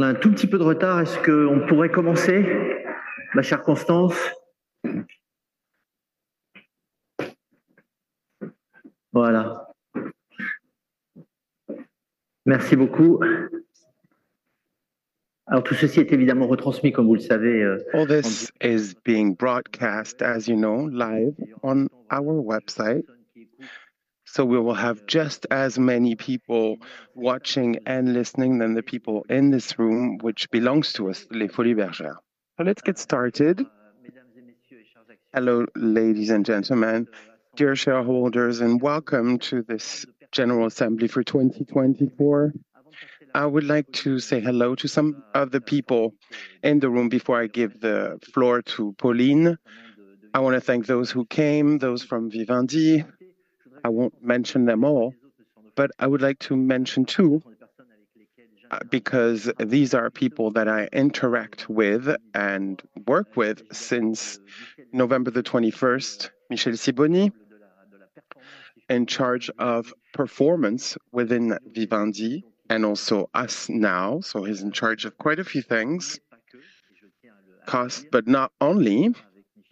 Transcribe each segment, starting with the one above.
On a tout petit peu de retard. Est-ce qu'on pourrait commencer, ma chère Constance? Voilà. Merci beaucoup. Alors, tout ceci est évidemment retransmis, comme vous le savez. All this is being broadcast, as you know, live on our website. So we will have just as many people watching and listening than the people in this room, which belongs to us, Folies Bergère. So let's get started. Hello, ladies and gentlemen, dear shareholders, and welcome to this general assembly for 2024. I would like to say hello to some of the people in the room before I give the floor to Pauline. I want to thank those who came, those from Vivendi. I won't mention them all, but I would like to mention two, because these are people that I interact with and work with since November 21. Michel Sibony, in charge of performance within Vivendi and also us now, so he's in charge of quite a few things. Cost, but not only.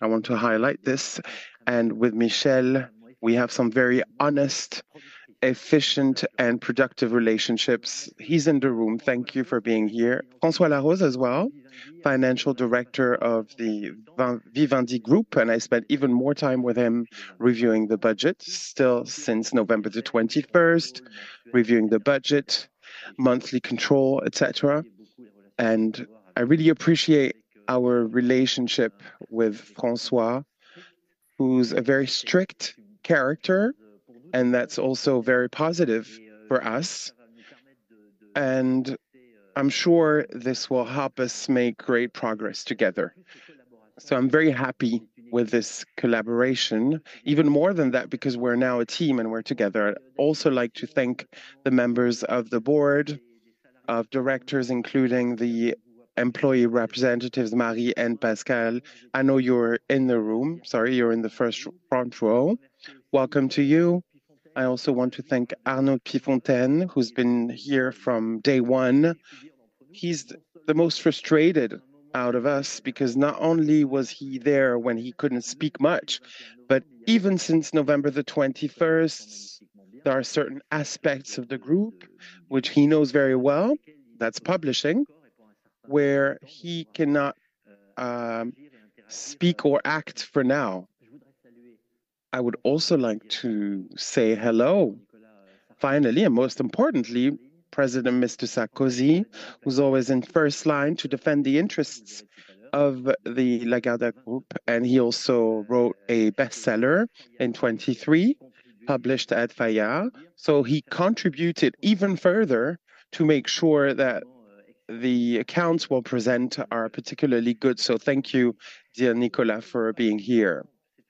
I want to highlight this, and with Michel, we have some very honest, efficient, and productive relationships. He's in the room. Thank you for being here. François Laroze as well, financial director of the Vivendi group, and I spent even more time with him reviewing the budget still since November the twenty-first, reviewing the budget, monthly control, et cetera. I really appreciate our relationship with François, who's a very strict character, and that's also very positive for us. I'm sure this will help us make great progress together. So I'm very happy with this collaboration. Even more than that, because we're now a team, and we're together. I'd also like to thank the members of the board of directors, including the employee representatives, Marie and Pascal. I know you're in the room. Sorry, you're in the first front row. Welcome to you. I also want to thank Arnaud de Puyfontaine, who's been here from day one. He's the most frustrated out of us because not only was he there when he couldn't speak much, but even since November 21, there are certain aspects of the group which he knows very well, that's publishing, where he cannot speak or act for now. I would also like to say hello, finally, and most importantly, President Mr. Sarkozy, who's always in first line to defend the interests of the Lagardère Group, and he also wrote a bestseller in 2023, published at Fayard. So he contributed even further to make sure that the accounts we'll present are particularly good. So thank you, dear Nicolas, for being here.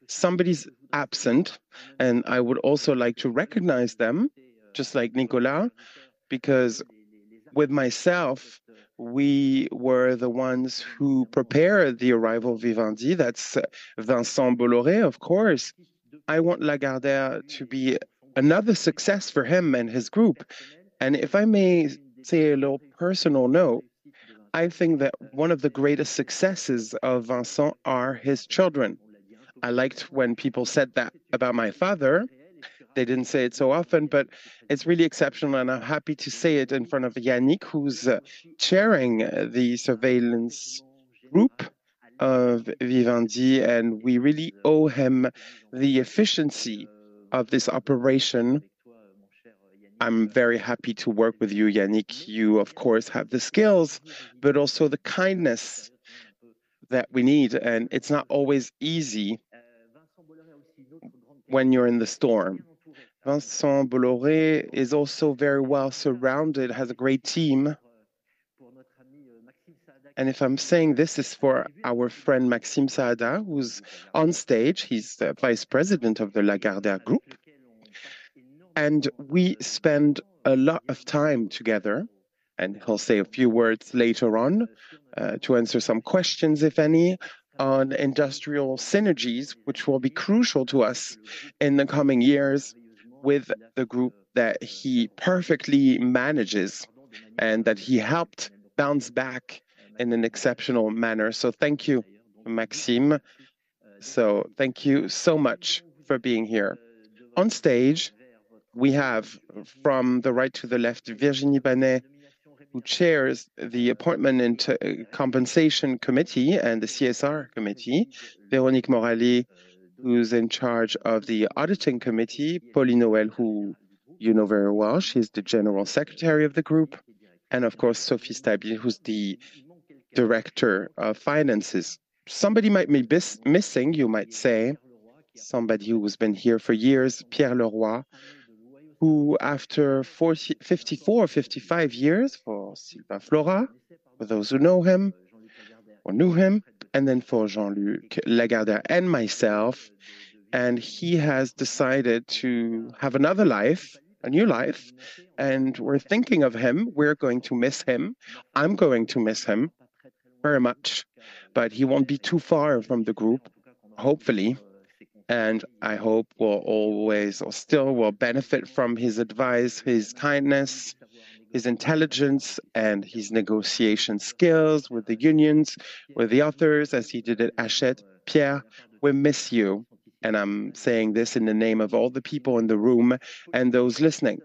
Somebody's absent, and I would also like to recognize them, just like Nicolas, because with myself, we were the ones who prepared the arrival of Vivendi. That's Vincent Bolloré, of course. I want Lagardère to be another success for him and his group. And if I may say a little personal note, I think that one of the greatest successes of Vincent are his children. I liked when people said that about my father. They didn't say it so often, but it's really exceptional, and I'm happy to say it in front of Yannick, who's chairing the surveillance group of Vivendi, and we really owe him the efficiency of this operation. I'm very happy to work with you, Yannick. You, of course, have the skills, but also the kindness that we need, and it's not always easy when you're in the storm. Vincent Bolloré is also very well surrounded, has a great team. And if I'm saying this is for our friend Maxime Saada, who's on stage, he's the Vice President of the Lagardère Group, and we spend a lot of time together, and he'll say a few words later on to answer some questions, if any, on industrial synergies, which will be crucial to us in the coming years with the group that he perfectly manages and that he helped bounce back in an exceptional manner. So thank you, Maxime. So thank you so much for being here. On stage, we have, from the right to the left, Virginie Banet, who chairs the Appointment and Compensation Committee and the CSR Committee, Véronique Morali, who's in charge of the Audit Committee, Pauline Hauwel, who you know very well. She's the General Secretary of the group, and of course, Sophie Stabile, who's the Director of Finances. Somebody might be missing, you might say. Somebody who's been here for years, Pierre Leroy, who after 40... 54 or 55 years for Sylvain Floirat, for those who know him or knew him, and then for Jean-Luc Lagardère and myself, and he has decided to have another life, a new life, and we're thinking of him. We're going to miss him. I'm going to miss him... very much, but he won't be too far from the group, hopefully, and I hope we'll always or still will benefit from his advice, his kindness, his intelligence, and his negotiation skills with the unions, with the authors, as he did at Hachette. Pierre, we miss you, and I'm saying this in the name of all the people in the room and those listening.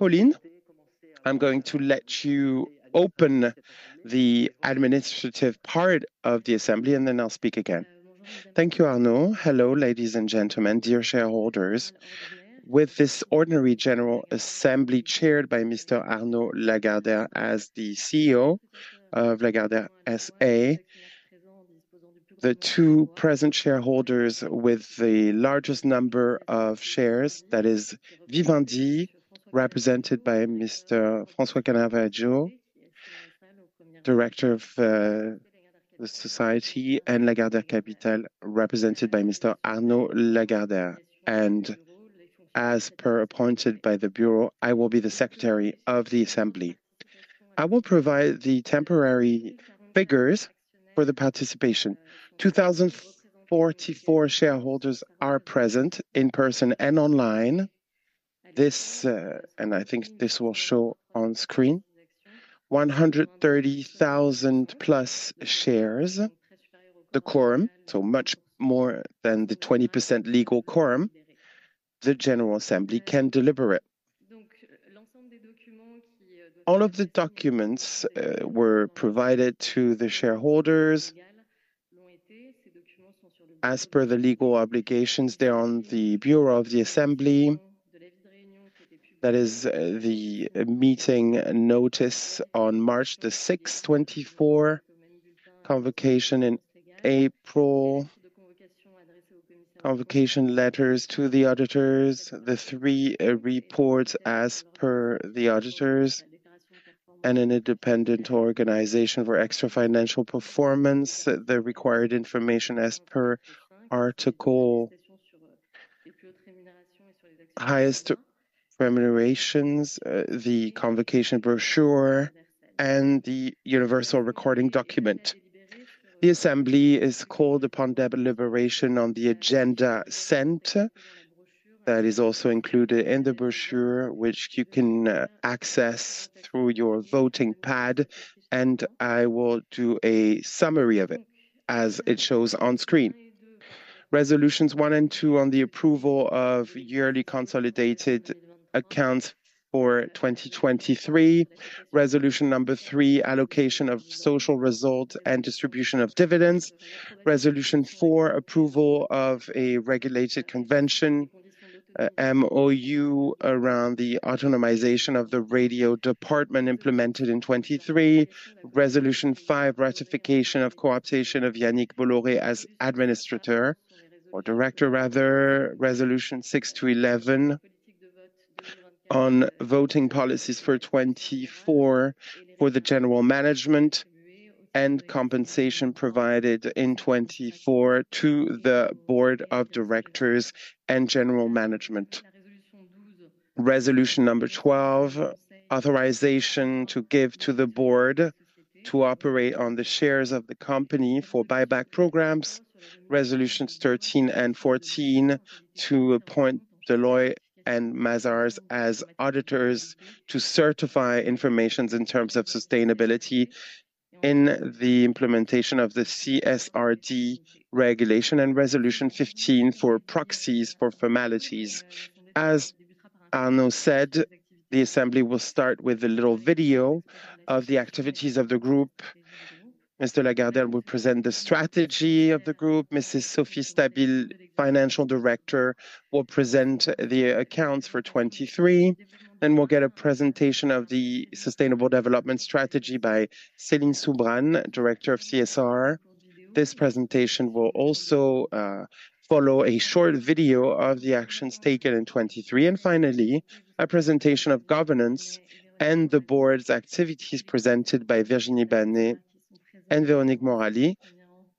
Pauline, I'm going to let you open the administrative part of the assembly, and then I'll speak again. Thank you, Arnaud. Hello, ladies and gentlemen, dear shareholders. With this ordinary general assembly, chaired by Mr. Arnaud Lagardère, as the CEO of Lagardère SA, the two present shareholders with the largest number of shares, that is Vivendi, represented by Mr. François Canavaggio, director of the society, and Lagardère Capital, represented by Mr. Arnaud Lagardère. And as per appointed by the bureau, I will be the secretary of the assembly. I will provide the temporary figures for the participation. 2,044 shareholders are present in person and online. This, and I think this will show on screen, 130,000+ shares, the quorum, so much more than the 20% legal quorum, the general assembly can deliberate. All of the documents were provided to the shareholders as per the legal obligations. They're on the Bureau of the Assembly. That is, the meeting notice on March 6, 2024, convocation in April, convocation letters to the auditors, the three reports as per the auditors and an independent organization for extra financial performance, the required information as per article highest remunerations, the convocation brochure, and the universal registration document. The assembly is called upon deliberation on the agenda sent. That is also included in the brochure, which you can access through your voting pad, and I will do a summary of it as it shows on screen. Resolutions 1 and 2 on the approval of yearly consolidated accounts for 2023. Resolution number 3, allocation of social result and distribution of dividends. Resolution 4, approval of a regulated convention, MOU, around the autonomization of the radio department implemented in 2023. Resolution 5, ratification of co-optation of Yannick Bolloré as administrator or director, rather. Resolutions 6 to 11 on voting policies for 2024, for the general management and compensation provided in 2024 to the board of directors and general management. Resolution number 12, authorization to give to the board to operate on the shares of the company for buyback programs. Resolutions 13 and 14, to appoint Deloitte and Mazars as auditors to certify information in terms of sustainability in the implementation of the CSRD regulation. Resolution 15 for proxies for formalities. As Arnaud said, the assembly will start with a little video of the activities of the group. Mr. Lagardère will present the strategy of the group. Mrs. Sophie Stabile, Financial Director, will present the accounts for 2023. Then we'll get a presentation of the sustainable development strategy by Céline Soubranne, Director of CSR. This presentation will also follow a short video of the actions taken in 2023. Finally, a presentation of governance and the board's activities presented by Virginie Banet and Véronique Morali,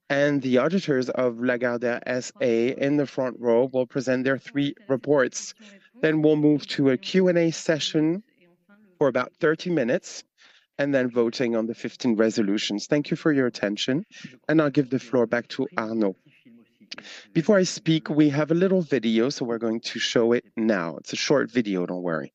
and the auditors of Lagardère SA in the front row will present their 3 reports. Then we'll move to a Q&A session for about 30 minutes, and then voting on the 15 resolutions. Thank you for your attention, and I'll give the floor back to Arnaud. Before I speak, we have a little video, so we're going to show it now. It's a short video, don't worry.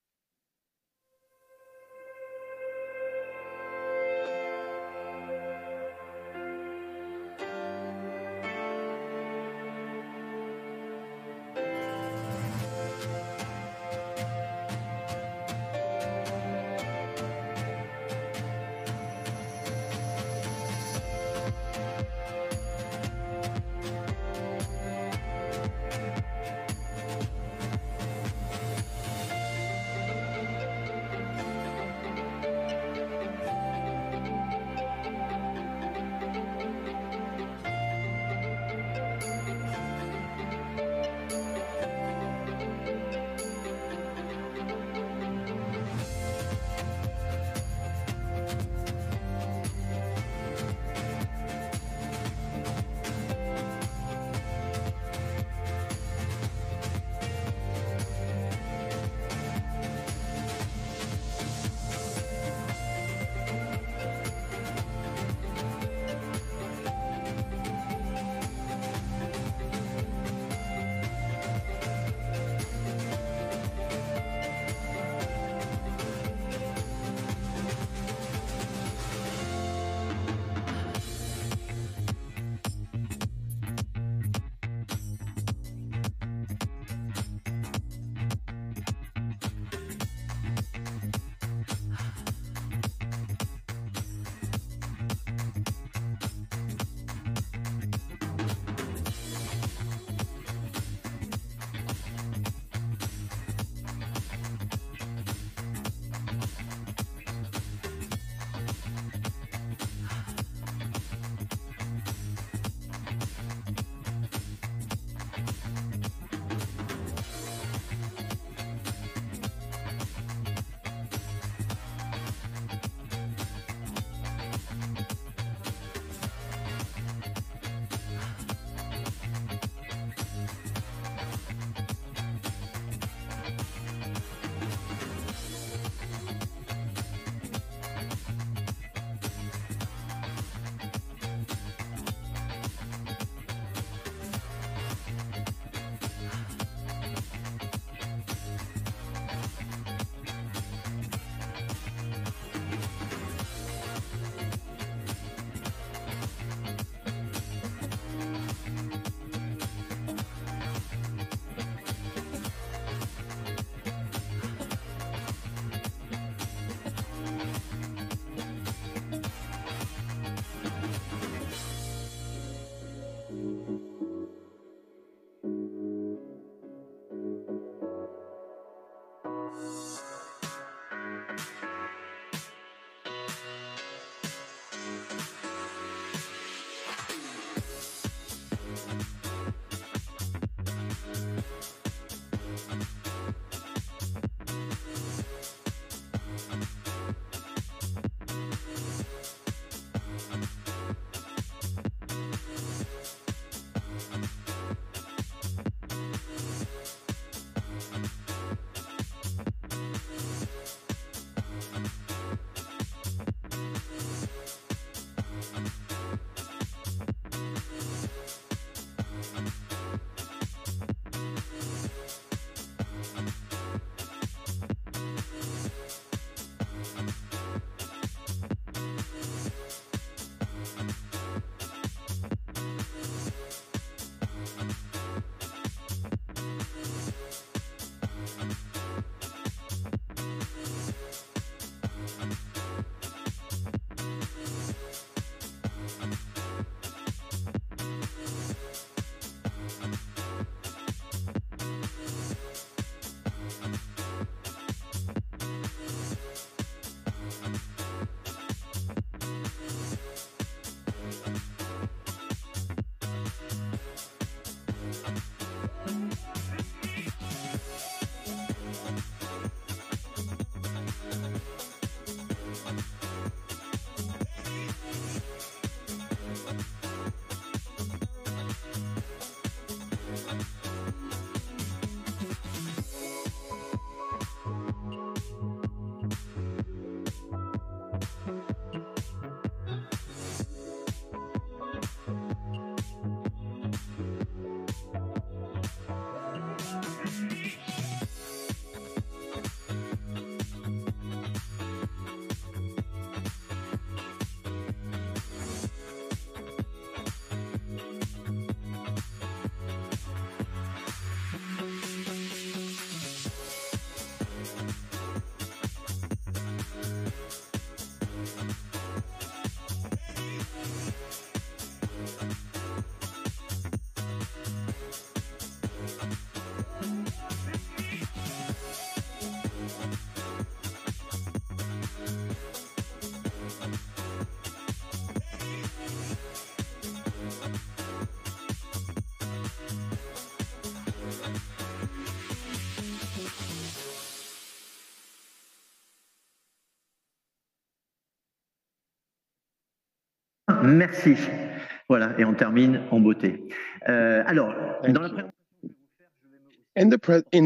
In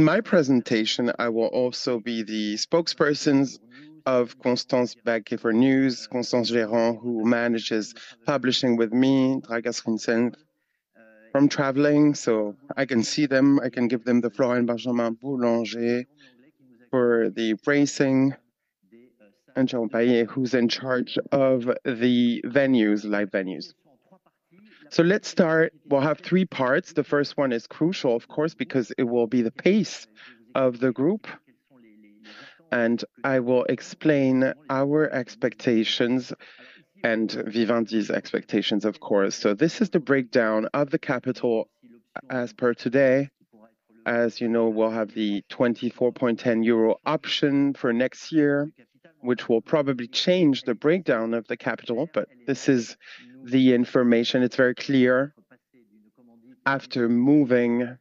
my presentation, I will also be the spokesperson of Constance Benqué for news, Stéphanie Ferran, who manages publishing with me, Dragos Constant from travel retail, so I can see them. I can give them the floor, and Uncertain for the pricing, and Jérôme Langlet, who's in charge of the venues, live venues. Let's start. We'll have three parts. The first one is crucial, of course, because it will be the pace of the group, and I will explain our expectations and Vivendi's expectations, of course. This is the breakdown of the capital as per today. As you know, we'll have the 24.10 euro option for next year, which will probably change the breakdown of the capital, but this is the information. It's very clear. After moving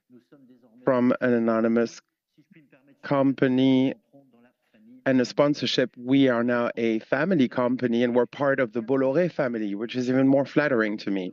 from an anonymous company and a sponsorship, we are now a family company, and we're part of the Bolloré family, which is even more flattering to me.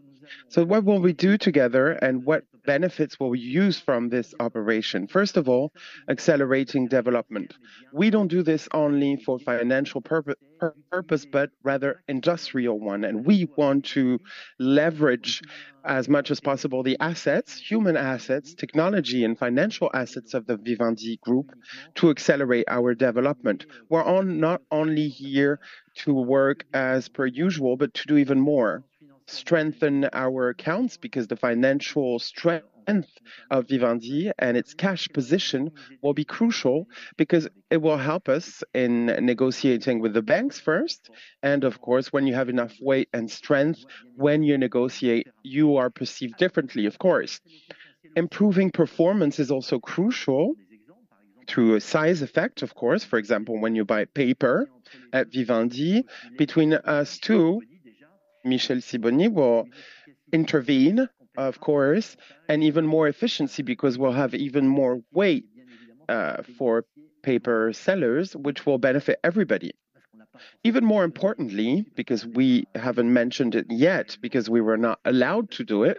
So what will we do together, and what benefits will we use from this operation? First of all, accelerating development. We don't do this only for financial purpose, but rather industrial one, and we want to leverage as much as possible the assets, human assets, technology, and financial assets of the Vivendi group to accelerate our development. We're not only here to work as per usual, but to do even more. Strengthen our accounts, because the financial strength of Vivendi and its cash position will be crucial, because it will help us in negotiating with the banks first, and of course, when you have enough weight and strength, when you negotiate, you are perceived differently, of course. Improving performance is also crucial through a size effect, of course. For example, when you buy paper at Vivendi, between us two, Michel Sibony will intervene, of course, and even more efficiency because we'll have even more weight for paper sellers, which will benefit everybody. Even more importantly, because we haven't mentioned it yet, because we were not allowed to do it,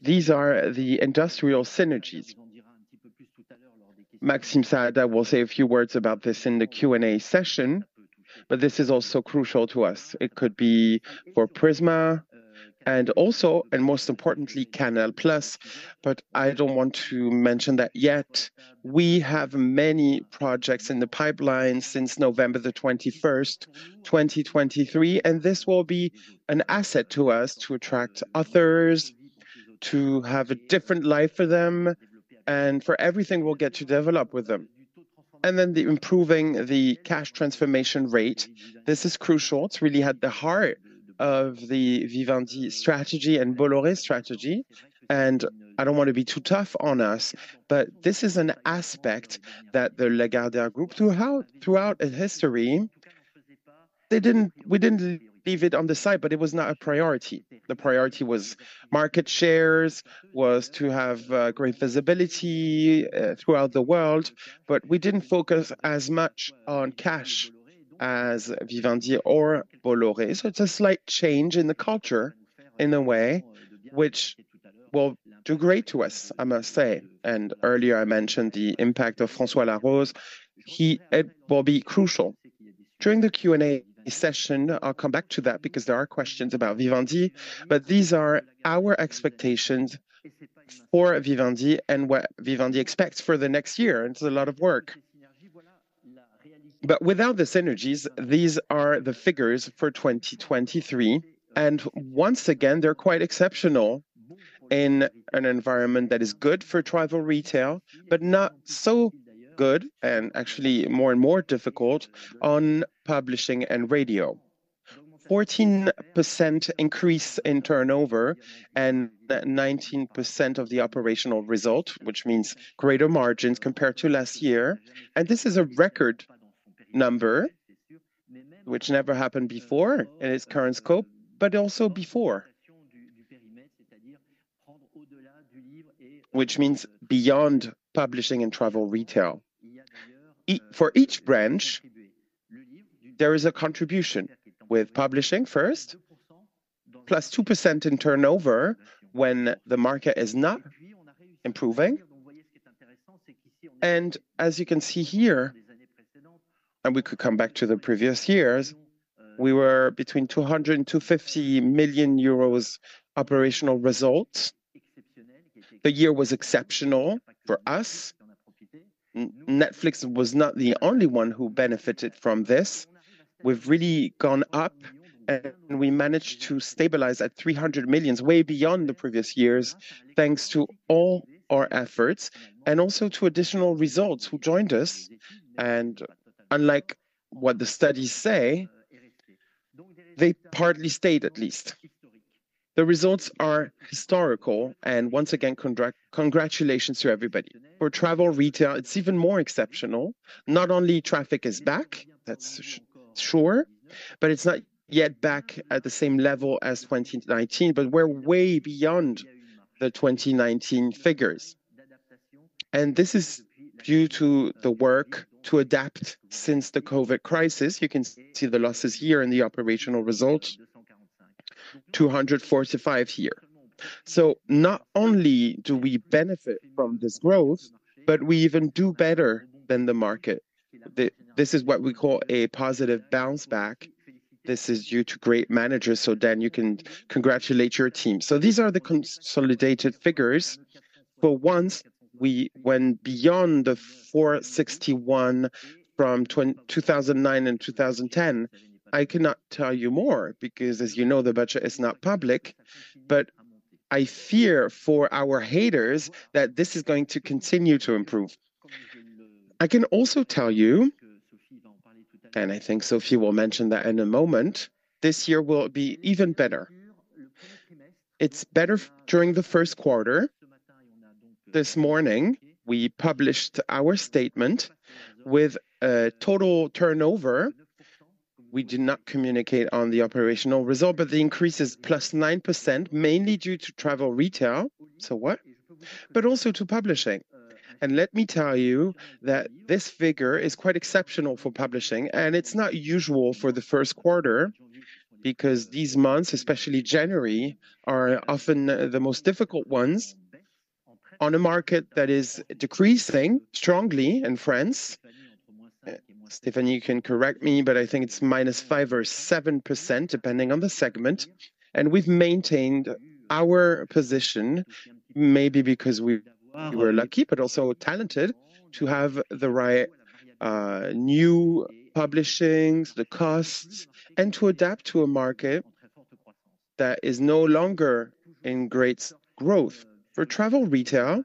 these are the industrial synergies. Maxime Saada will say a few words about this in the Q&A session, but this is also crucial to us. It could be for Prisma and also, and most importantly, Canal+, but I don't want to mention that yet. We have many projects in the pipeline since November 21st, 2023, and this will be an asset to us to attract authors, to have a different life for them, and for everything we'll get to develop with them. Then the improving the cash transformation rate, this is crucial. It's really at the heart of the Vivendi strategy and Bolloré strategy, and I don't wanna be too tough on us, but this is an aspect that the Lagardère Group, throughout its history, they didn't... we didn't leave it on the side, but it was not a priority. The priority was market shares, was to have great visibility throughout the world, but we didn't focus as much on cash as Vivendi or Bolloré. So it's a slight change in the culture, in a way, which will do great to us, I must say. Earlier, I mentioned the impact of François Laroze. He will be crucial. During the Q&A session, I'll come back to that because there are questions about Vivendi, but these are our expectations for Vivendi and what Vivendi expects for the next year, and it's a lot of work. But without the synergies, these are the figures for 2023, and once again, they're quite exceptional in an environment that is good for travel retail, but not so good, and actually more and more difficult, on publishing and radio. 14% increase in turnover and 19% of the operational result, which means greater margins compared to last year, and this is a record number, which never happened before in its current scope, but also before. Which means beyond publishing and travel retail. For each branch, there is a contribution, with publishing first, +2% in turnover when the market is not improving. As you can see here, and we could come back to the previous years, we were between 200 million and 250 million euros operational results. The year was exceptional for us. Netflix was not the only one who benefited from this. We've really gone up, and we managed to stabilize at 300 million, way beyond the previous years, thanks to all our efforts and also to additional results who joined us, and unlike what the studies say, they partly stayed at least. The results are historical, and once again, congratulations to everybody. For travel retail, it's even more exceptional. Not only traffic is back, that's sure, but it's not yet back at the same level as 2019, but we're way beyond the 2019 figures. And this is due to the work to adapt since the COVID crisis. You can see the losses here in the operational results, 245 here. So not only do we benefit from this growth, but we even do better than the market. This is what we call a positive bounce back. This is due to great managers, so Dan, you can congratulate your team. So these are the consolidated figures, for once we went beyond the 461 from 2009 and 2010. I cannot tell you more, because as you know, the budget is not public, but I fear for our haters that this is going to continue to improve. I can also tell you, and I think Sophie will mention that in a moment, this year will be even better. It's better during the Q1. This morning, we published our statement with a total turnover. We did not communicate on the operational result, but the increase is +9%, mainly due to travel retail, so what? But also to publishing. And let me tell you that this figure is quite exceptional for publishing, and it's not usual for the Q1, because these months, especially January, are often the most difficult ones on a market that is decreasing strongly in France. Stéphanie, you can correct me, but I think it's -5% or -7%, depending on the segment, and we've maintained our position maybe because we were lucky, but also talented, to have the right new publications, the costs, and to adapt to a market that is no longer in great growth. For travel retail,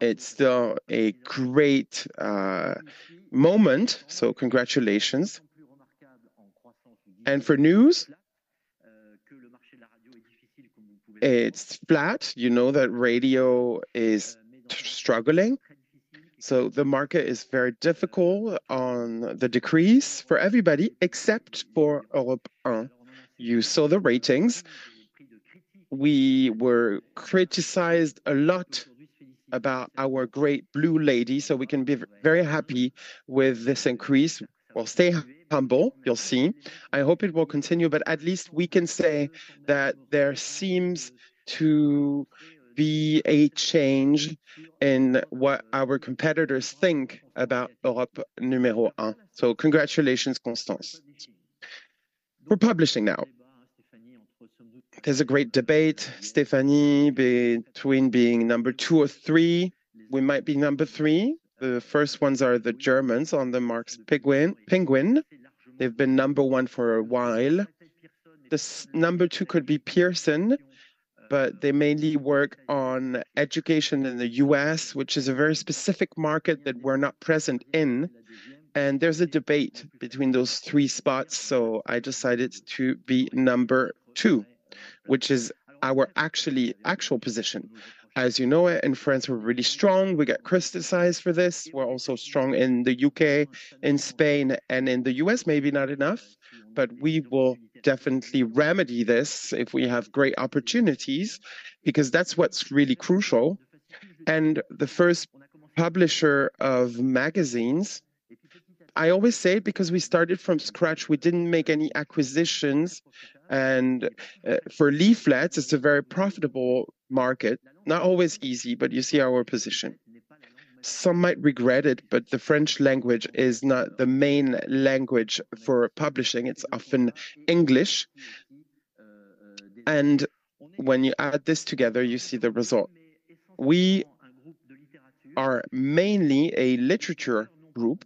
it's still a great moment, so congratulations. And for news, it's flat. You know that radio is struggling, so the market is very difficult on the decrease for everybody except for Europe 1. You saw the ratings. We were criticized a lot about our great blue lady, so we can be very happy with this increase. We'll stay humble, you'll see. I hope it will continue, but at least we can say that there seems to be a change in what our competitors think about Europe 1. So congratulations, Constance. For publishing now, there's a great debate, Stéphanie, between being number two or three. We might be number three. The first ones are the Germans on the Penguin Random House, Penguin Random House. They've been number one for a while. This number two could be Pearson, but they mainly work on education in the U.S., which is a very specific market that we're not present in, and there's a debate between those three spots, so I decided to be number two, which is our actually actual position. As you know, in France, we're really strong. We get criticized for this. We're also strong in the U.K., in Spain, and in the U.S., maybe not enough, but we will definitely remedy this if we have great opportunities, because that's what's really crucial. And the first publisher of magazines, I always say because we started from scratch, we didn't make any acquisitions, and for leaflets, it's a very profitable market. Not always easy, but you see our position. Some might regret it, but the French language is not the main language for publishing. It's often English. And when you add this together, you see the result. We are mainly a literature group.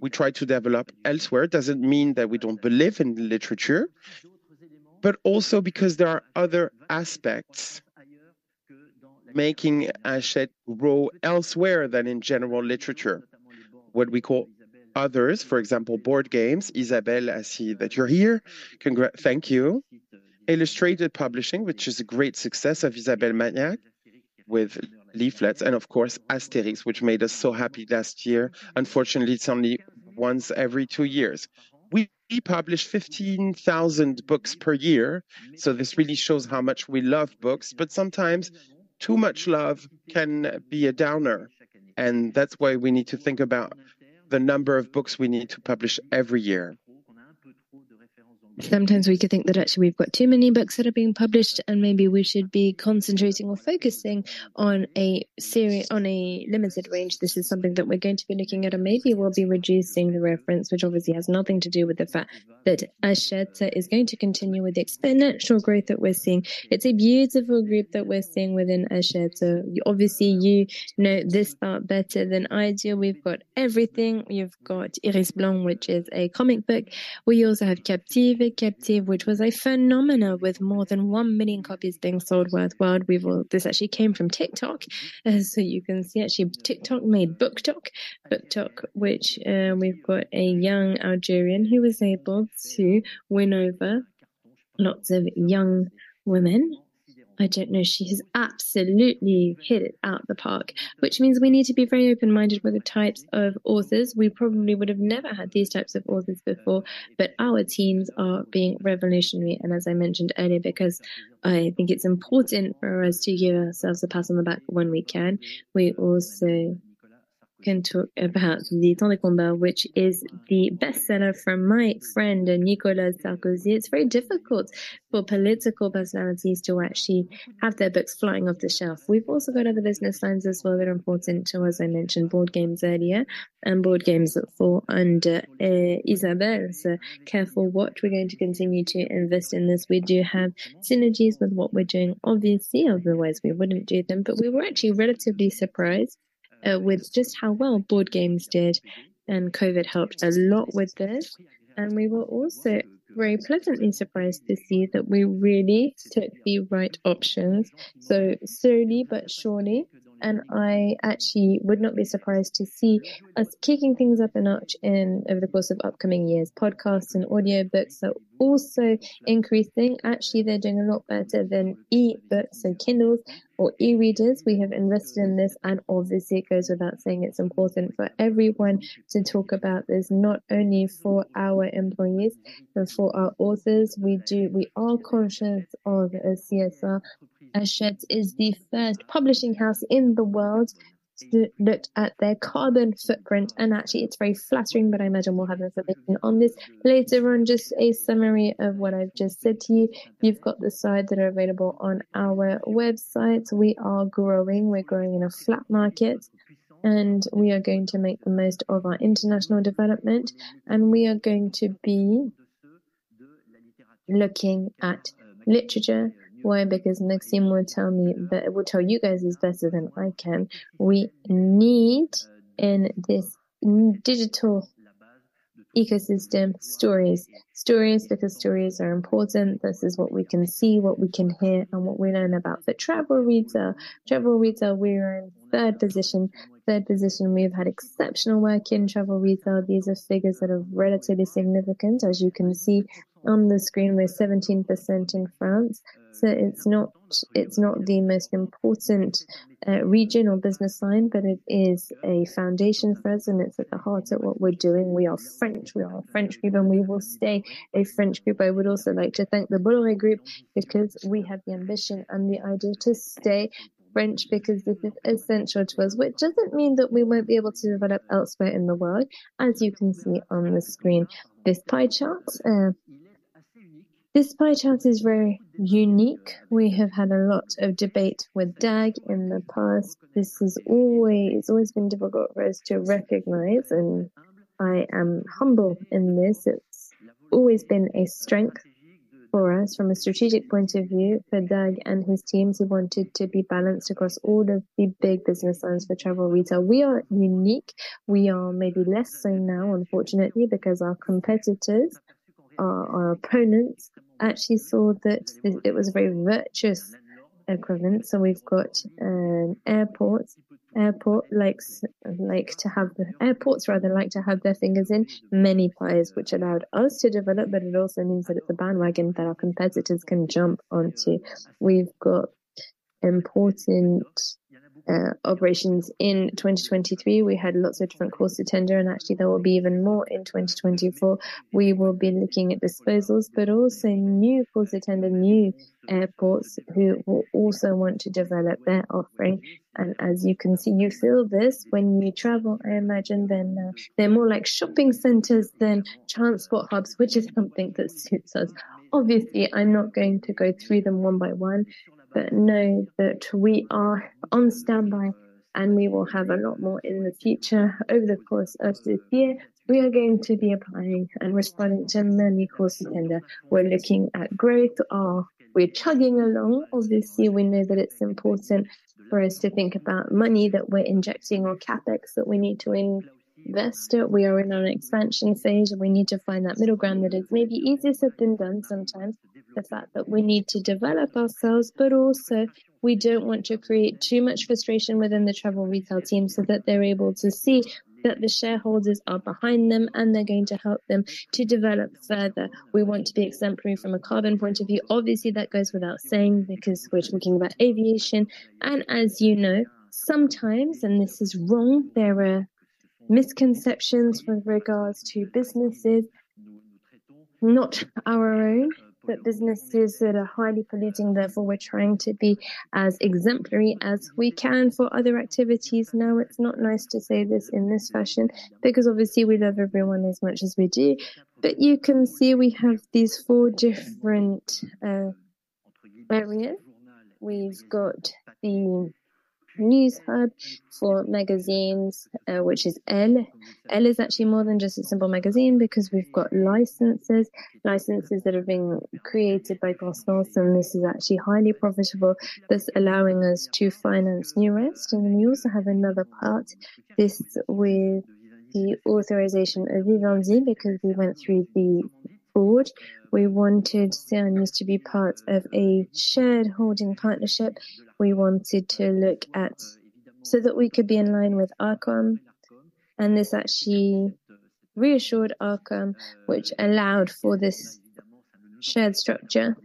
We try to develop elsewhere. It doesn't mean that we don't believe in literature, but also because there are other aspects making Hachette grow elsewhere than in general literature. What we call others, for example, board games. Isabelle, I see that you're here. Thank you. Illustrated publishing, which is a great success of Isabelle Magnac with leaflets, and of course, Asterix, which made us so happy last year. Unfortunately, it's only once every two years. We, we publish 15,000 books per year, so this really shows how much we love books, but sometimes too much love can be a downer, and that's why we need to think about the number of books we need to publish every year. Sometimes we could think that actually we've got too many books that are being published, and maybe we should be concentrating or focusing on a series on a limited range. This is something that we're going to be looking at, and maybe we'll be reducing the reference, which obviously has nothing to do with the fact that Hachette is going to continue with the exponential growth that we're seeing. It's a beautiful group that we're seeing within Hachette. Obviously, you know this part better than I do. We've got everything. We've got L'Iris Blanc, which is a comic book. We also have Captive. Captive, which was a phenomenon with more than 1 million copies being sold worldwide. We will... This actually came from TikTok, so you can see actually TikTok made BookTok. BookTok, which, we've got a young Algerian who was able to win over lots of young women. I don't know, she has absolutely hit it out of the park, which means we need to be very open-minded with the types of authors. We probably would have never had these types of authors before, but our teams are being revolutionary, and as I mentioned earlier, because I think it's important for us to give ourselves a pat on the back when we can. We also can talk about Le Temps des Combats, which is the bestseller from my friend, Nicolas Sarkozy. It's very difficult for political personalities to actually have their books flying off the shelf. We've also got other business lines as well that are important to, as I mentioned, board games earlier, and board games fall under, Isabelle. So careful what we're going to continue to invest in this. We do have synergies with what we're doing, obviously, otherwise we wouldn't do them. But we were actually relatively surprised with just how well board games did, and COVID helped a lot with this. And we were also very pleasantly surprised to see that we really took the right options. So slowly but surely, and I actually would not be surprised to see us kicking things up a notch in over the course of upcoming years. Podcasts and audiobooks are also increasing. Actually, they're doing a lot better than e-books and Kindles or e-readers. We have invested in this, and obviously, it goes without saying it's important for everyone to talk about this, not only for our employees but for our authors. We are conscious of CSR. Hachette is the first publishing house in the world to look at their carbon footprint, and actually, it's very flattering, but I imagine we'll have a presentation on this later on. Just a summary of what I've just said to you. You've got the slides that are available on our website. We are growing. We're growing in a flat market, and we are going to make the most of our international development, and we are going to be looking at literature. Why? Because Maxime will tell me, but will tell you guys is better than I can. We need, in this digital ecosystem, stories. Stories, because stories are important. This is what we can see, what we can hear, and what we learn about. For travel retail, travel retail, we are in third position. Third position, we have had exceptional work in travel retail. These are figures that are relatively significant. As you can see on the screen, we're 17% in France, so it's not, it's not the most important region or business line, but it is a foundation for us, and it's at the heart of what we're doing. We are French. We are a French group, and we will stay a French group. I would also like to thank the Bolloré Group because we have the ambition and the idea to stay French because this is essential to us, which doesn't mean that we won't be able to develop elsewhere in the world, as you can see on the screen. This pie chart, this pie chart is very unique. We have had a lot of debate with Dag in the past. This has always, always been difficult for us to recognize, and I am humble in this. It's always been a strength for us from a strategic point of view, for Dag Rasmussen and his teams who wanted to be balanced across all of the big business lines. For travel retail, we are unique. We are maybe less so now, unfortunately, because our competitors, our opponents actually saw that it was a very virtuous equivalent. So we've got airports. Airports rather like to have their fingers in many pies, which allowed us to develop, but it also means that it's a bandwagon that our competitors can jump onto. We've got important operations. In 2023, we had lots of different calls to tender, and actually, there will be even more in 2024. We will be looking at disposals, but also new calls to tender, new airports who will also want to develop their offering. And as you can see, you feel this when you travel, I imagine then, they're more like shopping centers than transport hubs, which is something that suits us. Obviously, I'm not going to go through them one by one, but know that we are on standby, and we will have a lot more in the future. Over the course of this year, we are going to be applying and responding to many call to tender. We're looking at growth. We're chugging along. Obviously, we know that it's important for us to think about money that we're injecting or CapEx that we need to invest. We are in an expansion phase, and we need to find that middle ground that is maybe easier said than done sometimes. The fact that we need to develop ourselves, but also we don't want to create too much frustration within the travel retail team so that they're able to see that the shareholders are behind them, and they're going to help them to develop further. We want to be exemplary from a carbon point of view. Obviously, that goes without saying because we're talking about aviation, and as you know, sometimes, and this is wrong, there are misconceptions with regards to businesses, not our own, but businesses that are highly polluting. Therefore, we're trying to be as exemplary as we can for other activities. No, it's not nice to say this in this fashion because obviously, we love everyone as much as we do. But you can see we have these four different areas. We've got the news hub for magazines, which is ELLE. ELLE is actually more than just a simple magazine because we've got licenses, licenses that are being created by Uncertain. This is actually highly profitable, this allowing us to finance new rest. We also have another part, this with the authorization of Vivendi, because we went through the board. We wanted Lagardère News to be part of a shared holding partnership. We wanted to look at so that we could be in line with Arcom, and this actually reassured Arcom, which allowed for this shared structure,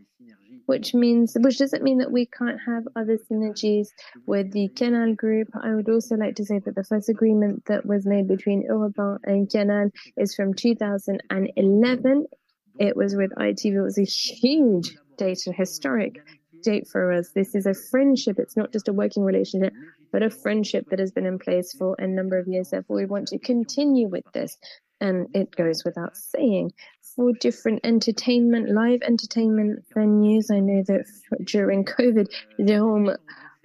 which means which doesn't mean that we can't have other synergies with the Canal Group. I would also like to say that the first agreement that was made between Universal and Canal is from 2011. It was with ITV. It was a huge deal, a historic deal for us. This is a friendship. It's not just a working relationship, but a friendship that has been in place for a number of years. Therefore, we want to continue with this, and it goes without saying.... four different entertainment, live entertainment venues. I know that during COVID, Jérôme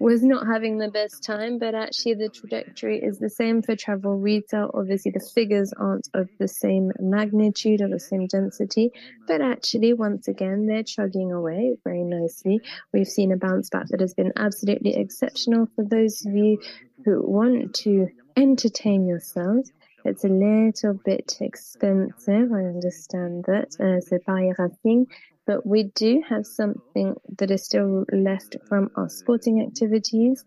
was not having the best time, but actually the trajectory is the same for travel retail. Obviously, the figures aren't of the same magnitude or the same density, but actually, once again, they're chugging away very nicely. We've seen a bounce back that has been absolutely exceptional. For those of you who want to entertain yourselves, it's a little bit expensive, I understand that, so Lagardère Paris Racing. But we do have something that is still left from our sporting activities,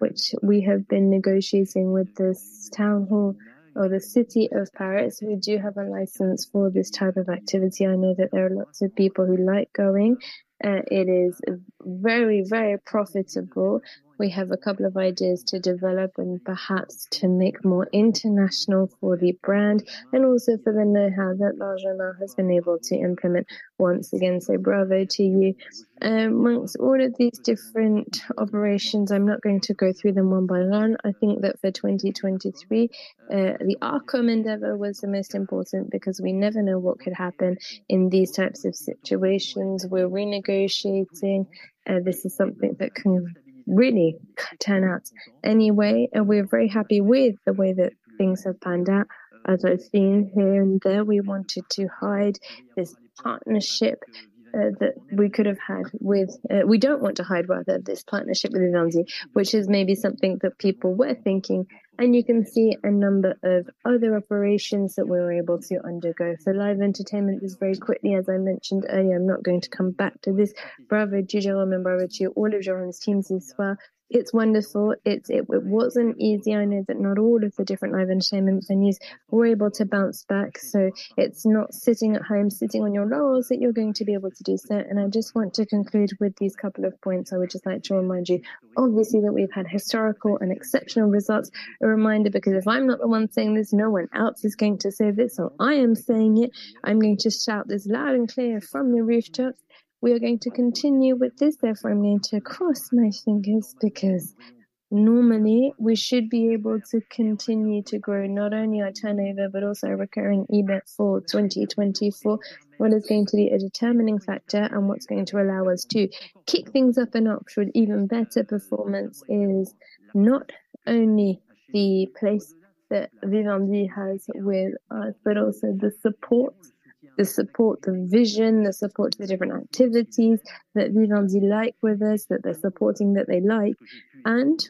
which we have been negotiating with this town hall or the City of Paris, who do have a license for this type of activity. I know that there are lots of people who like going, it is very, very profitable. We have a couple of ideas to develop and perhaps to make more international for the brand, and also for the know-how that La Renaissance has been able to implement. Once again, say bravo to you. Amongst all of these different operations, I'm not going to go through them one by one. I think that for 2023, the Arcom endeavor was the most important because we never know what could happen in these types of situations. We're renegotiating, this is something that can really turn out anyway, and we're very happy with the way that things have panned out. As I've seen here and there, we wanted to hide this partnership, that we could have had with... We don't want to hide, rather, this partnership with Vivendi, which is maybe something that people were thinking, and you can see a number of other operations that we were able to undergo. So live entertainment was very quickly, as I mentioned earlier, I'm not going to come back to this. Bravo to Jérôme and bravo to all of Jérôme's teams as well. It's wonderful. It wasn't easy. I know that not all of the different live entertainment venues were able to bounce back, so it's not sitting at home, sitting on your laurels, that you're going to be able to do so. And I just want to conclude with these couple of points. I would just like to remind you, obviously, that we've had historical and exceptional results. A reminder, because if I'm not the one saying this, no one else is going to say this, so I am saying it. I'm going to shout this loud and clear from the rooftops. We are going to continue with this, therefore, I'm going to cross my fingers, because normally we should be able to continue to grow not only our turnover, but also our recurring EBIT for 2024. What is going to be a determining factor and what's going to allow us to kick things up a notch with even better performance is not only the place that Vivendi has with us, but also the support. The support, the vision, the support to the different activities that Vivendi like with us, that they're supporting, that they like.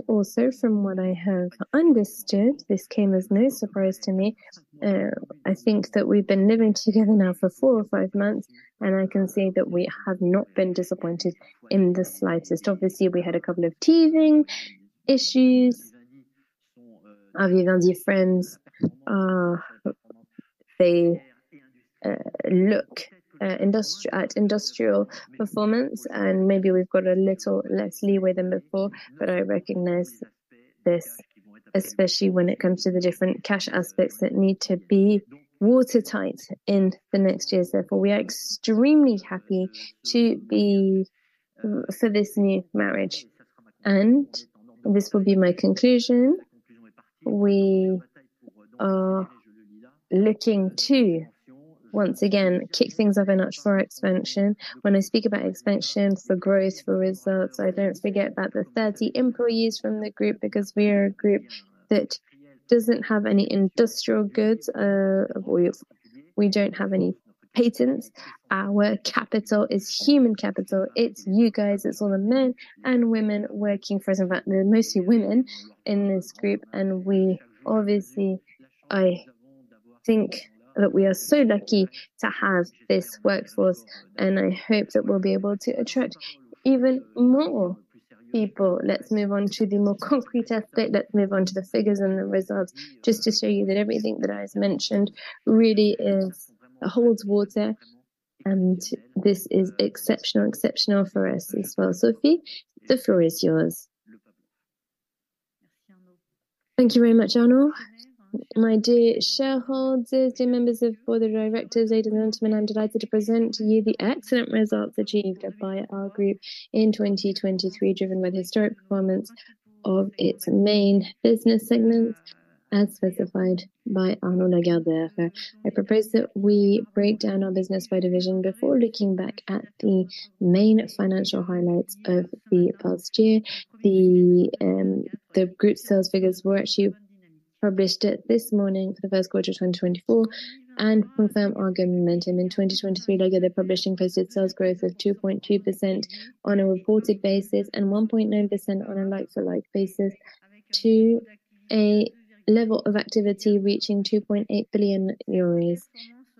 Also, from what I have understood, this came as no surprise to me. I think that we've been living together now for four or five months, and I can say that we have not been disappointed in the slightest. Obviously, we had a couple of teething issues. Our Vivendi friends, they look at industrial performance, and maybe we've got a little less leeway than before, but I recognize this, especially when it comes to the different cash aspects that need to be watertight in the next years. Therefore, we are extremely happy to be for this new marriage, and this will be my conclusion. We are looking to, once again, kick things up a notch for expansion. When I speak about expansion for growth, for results, I don't forget about the 30 employees from the group, because we are a group that doesn't have any industrial goods, we don't have any patents. Our capital is human capital. It's you guys, it's all the men and women working for us, but mostly women in this group. And we obviously... I think that we are so lucky to have this workforce, and I hope that we'll be able to attract even more people. Let's move on to the more concrete aspect. Let's move on to the figures and the results, just to show you that everything that I just mentioned really is, holds water, and this is exceptional, exceptional for us as well. Sophie, the floor is yours. Thank you very much, Arnaud. My dear shareholders, dear members of the Board of Directors, ladies and gentlemen, I'm delighted to present to you the excellent results achieved by our group in 2023, driven by the historic performance of its main business segments, as specified by Arnaud Lagardère. I propose that we break down our business by division before looking back at the main financial highlights of the past year. The group sales figures were actually published this morning for the Q1 of 2024, and confirm our good momentum. In 2023, Lagardère Publishing posted sales growth of 2.2% on a reported basis and 1.9% on a like-for-like basis to a level of activity reaching 2.8 billion euros.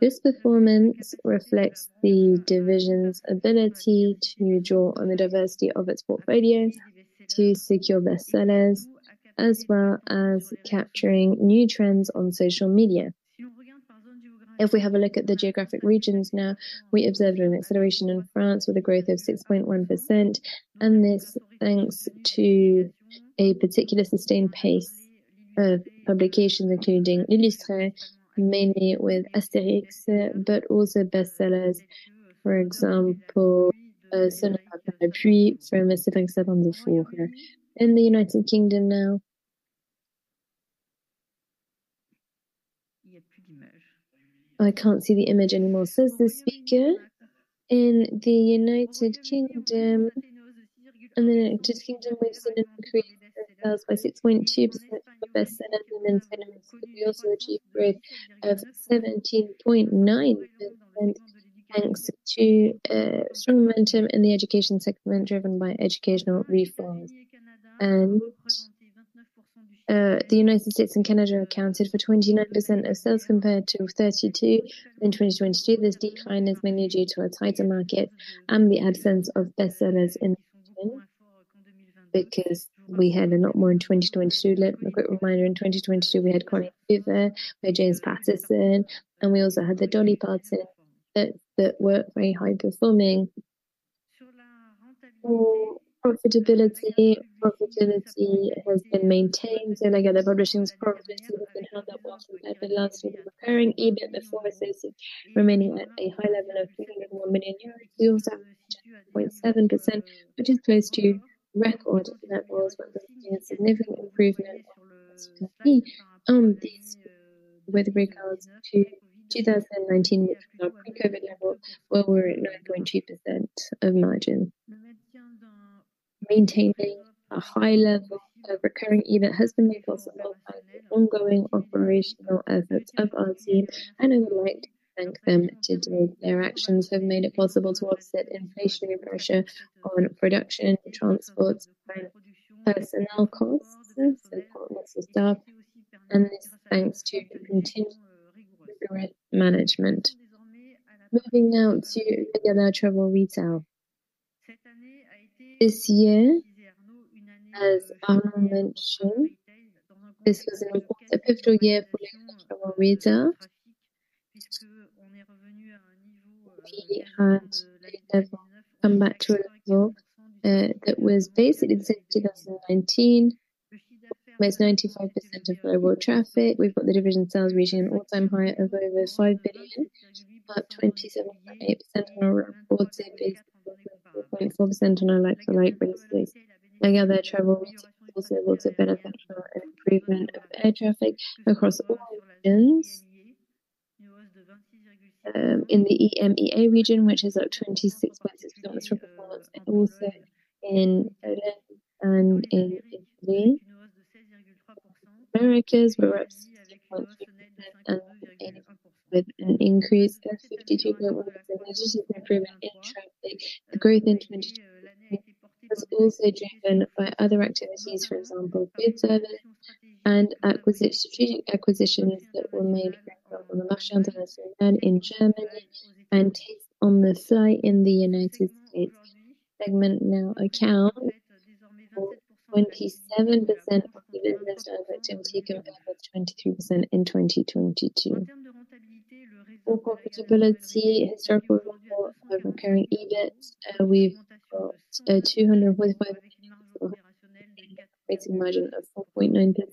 This performance reflects the division's ability to draw on the diversity of its portfolios to secure bestsellers, as well as capturing new trends on social media. If we have a look at the geographic regions now, we observed an acceleration in France with a growth of 6.1%, and this thanks to a particular sustained pace of publication, including Illustré, mainly with Asterix, but also bestsellers, for example, Son odeur après la pluie from Cédric Sapin-Defour. In the United Kingdom now, in the United Kingdom, we've seen an increase in sales by 6.2% for best sellers and then we also achieved growth of 17.9%, thanks to strong momentum in the education segment, driven by educational reforms. The United States and Canada accounted for 29% of sales, compared to 32% in 2022. This decline is mainly due to a tighter market and the absence of bestsellers in the fall, because we had a lot more in 2022. A quick reminder, in 2022, we had Colleen Hoover by James Patterson, and we also had the Dolly Parton that were very high performing. For profitability, profitability has been maintained. So Lagardère Publishing's profitability has been held up well from the last year, preparing EBIT before associated, remaining at a high level of 301 million euros. We also have 0.7%, which is close to record. That was a significant improvement on these with regards to 2019, which was our pre-COVID level, where we're at 9.2% of margin. Maintaining a high level of recurring EBIT has been made possible by the ongoing operational efforts of our team, and I would like to thank them today. Their actions have made it possible to offset inflationary pressure on production, transport, personnel costs, and partners and staff, and this is thanks to continued management. Moving now to Lagardère Travel Retail. This year, as Arnaud mentioned, this was a pivotal year for Lagardère Travel Retail. We had come back to a level that was basically the same as 2019, where it's 95% of global traffic. We've got the division sales reaching an all-time high of over 5 billion, up 27.8% on a reported basis, 0.4% on a like-for-like basis. Lagardère Travel Retail also looks to benefit from an improvement of air traffic across all regions. In the EMEA region, which is up 26.6% from performance, and also in Americas, we're up 60.3% and with an increase of 52.1%, which is an improvement in traffic. The growth in 2023 was also driven by other activities, for example, food service and acquisition, strategic acquisitions that were made, for example, in Marché International in Germany and Taste on the Fly in the United States. Segment now account for 27% of the business activity, compared with 23% in 2022. For profitability and circling more of the recurring EBIT, we've got 245 million operating margin of 4.9%.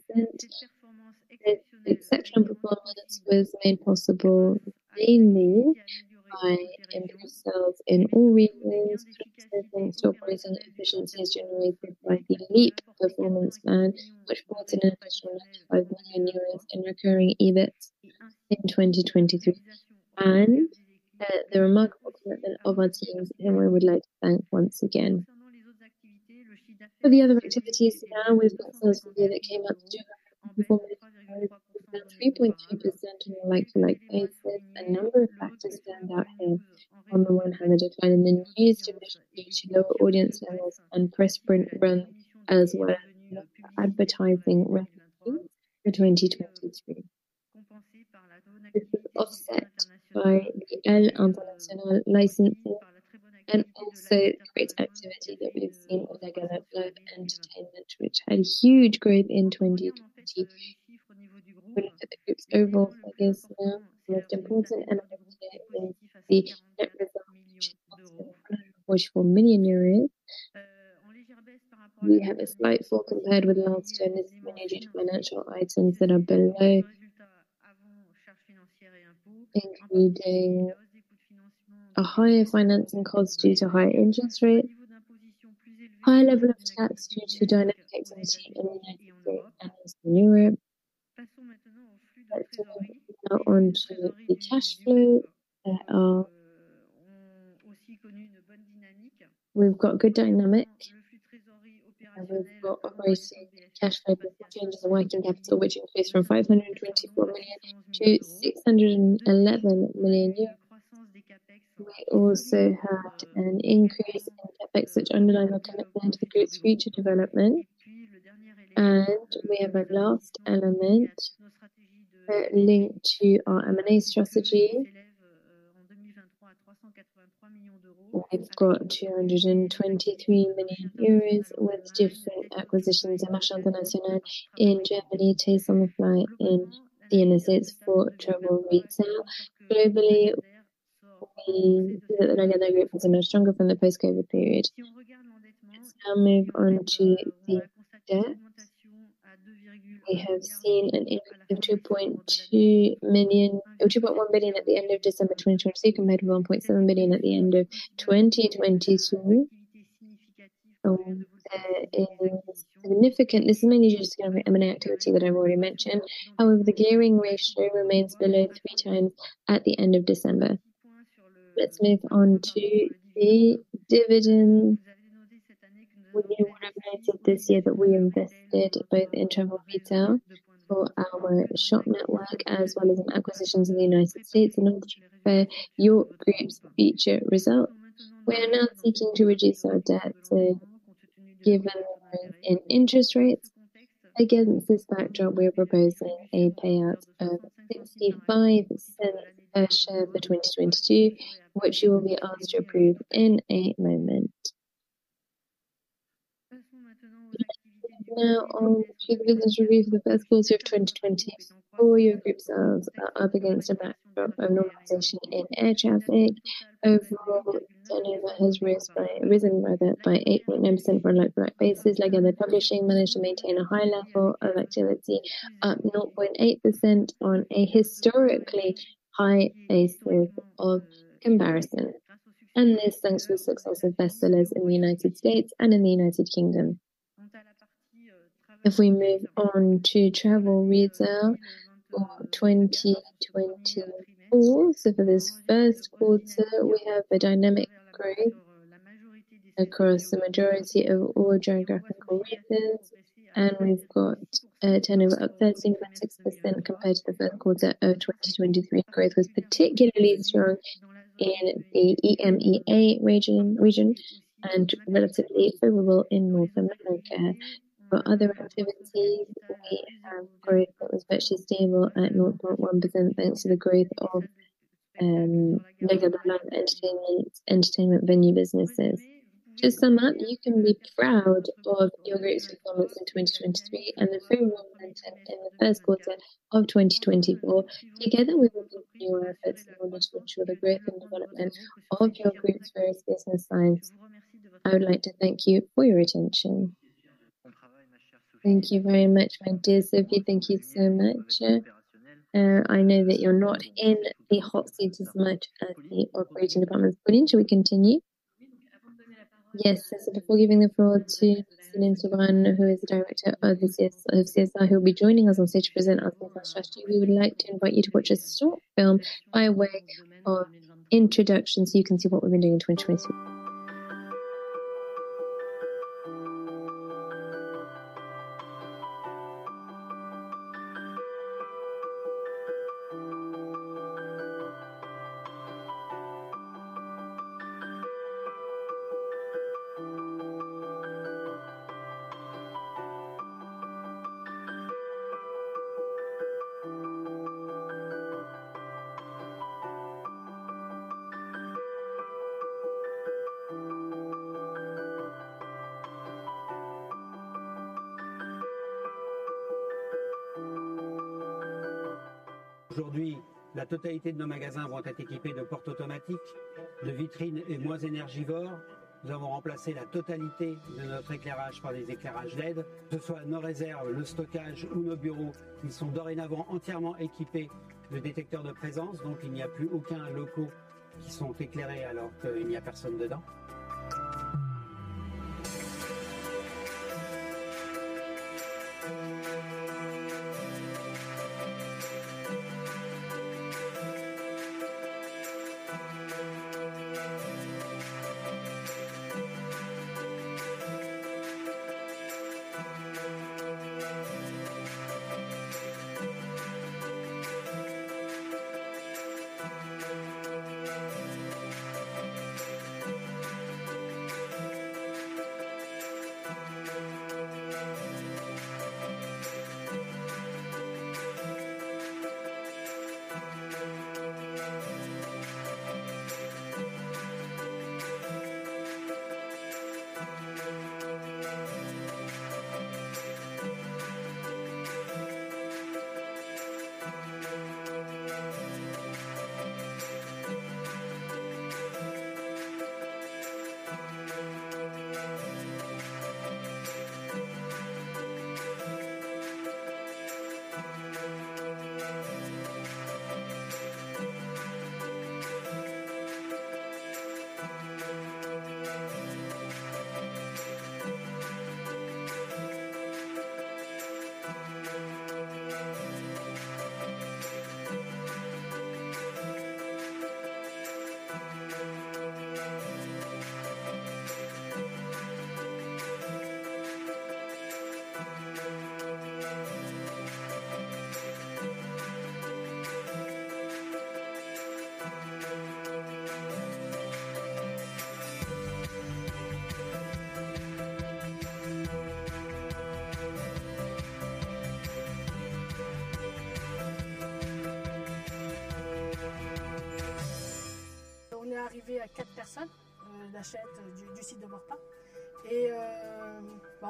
This exceptional performance was made possible mainly by increased sales in all regions, thanks to operational efficiencies generated by the LEAP performance plan, which brought in an additional 95 million euros in recurring EBIT in 2023, and the remarkable commitment of our teams, whom I would like to thank once again. For the other activities, now we've got sales for the year that came up to 2.4, 3.2% on a like-for-like basis. A number of factors stand out here. On the one hand, a decline in the news division due to lower audience levels and press print run, as well as advertising revenue for 2023. This was offset by the Elle International licensing and also great activity that we've seen in Lagardère Sport and Entertainment, which had huge growth in 2023. Looking at the group's overall figures now, the most important element is the net result, which is EUR 4 million. We have a slight fall compared with last year, and this is mainly due to financial items that are below... including a higher financing cost due to higher interest rates, higher level of tax due to dynamic activity in Europe. Let's move now on to the cash flow. We've got good dynamic. We've got operating cash flow changes and working capital, which increased from 524 million to 611 million euros. We also had an increase in CapEx, which underlines our commitment to the group's future development. We have a last element linked to our M&A strategy. We've got 223 million euros worth of different acquisitions in Marchand International in Germany, Taste on the Fly in the United States for Travel Retail. Globally, we, Lagardère Group, is much stronger from the post-COVID period. Let's now move on to the debt. We have seen an increase of 2.2 million, 2.1 billion at the end of December 2022, compared to 1.7 billion at the end of 2022. This is mainly just going to be M&A activity that I've already mentioned. However, the gearing ratio remains below 3x at the end of December. Let's move on to the dividend. We have noted this year that we invested both in travel retail for our shop network, as well as in acquisitions in the United States in order for your group's future results. We are now seeking to reduce our debt to give in interest rates. Against this backdrop, we are proposing a payout of 0.65 per share for 2022, which you will be asked to approve in a moment. Now, on to the business review for the Q1 of 2020. All your group sales are up against a backdrop of normalization in air traffic. Overall, turnover has risen rather, by 8.9% on a like-for-like basis. Like other publishing, managed to maintain a high level of activity, up 0.8% on a historically high base rate of comparison, and this thanks to the success of bestsellers in the United States and in the United Kingdom. If we move on to travel retail for 2024, so for this Q1, we have a dynamic growth across the majority of all geographical regions, and we've got, turnover up 13.6% compared to the Q1 of 2023. Growth was particularly strong in the EMEA region, and relatively favorable in North America. For other activities, we have growth that was virtually stable at 0.1%, thanks to the growth of Lagardère Live Entertainment entertainment venue businesses. To sum up, you can be proud of your group's performance in 2023 and the favorable content in the Q1 of 2024. Together with your efforts in order to ensure the growth and development of your group's various business lines. I would like to thank you for your attention. Thank you very much, my dear Sophie. Thank you so much. I know that you're not in the hot seat as much as the operating departments, but shall we continue? Yes. So before giving the floor to Céline Soubiran, who is the director of CSR, who will be joining us on stage to present our corporate strategy, we would like to invite you to watch a short film by way of introduction, so you can see what we've been doing in 2020. ... Clearly. Frankly, I would go back without even thinking. But since we have 600 Hachettes, I shouldn't be selfish and give my spot to others. But if a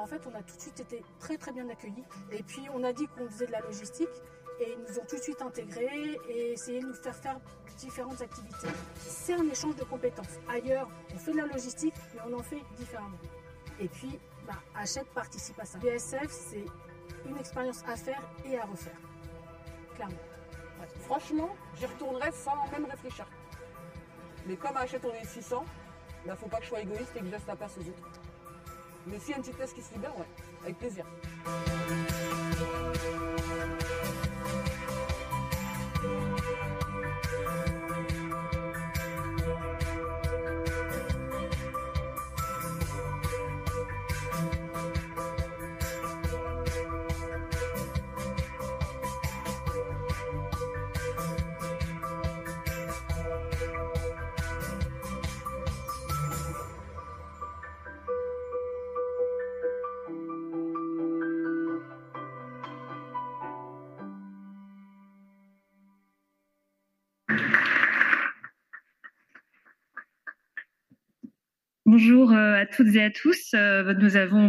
small Hachette is available, yeah, with pleasure. Bonjour, à toutes et à tous. Nous avons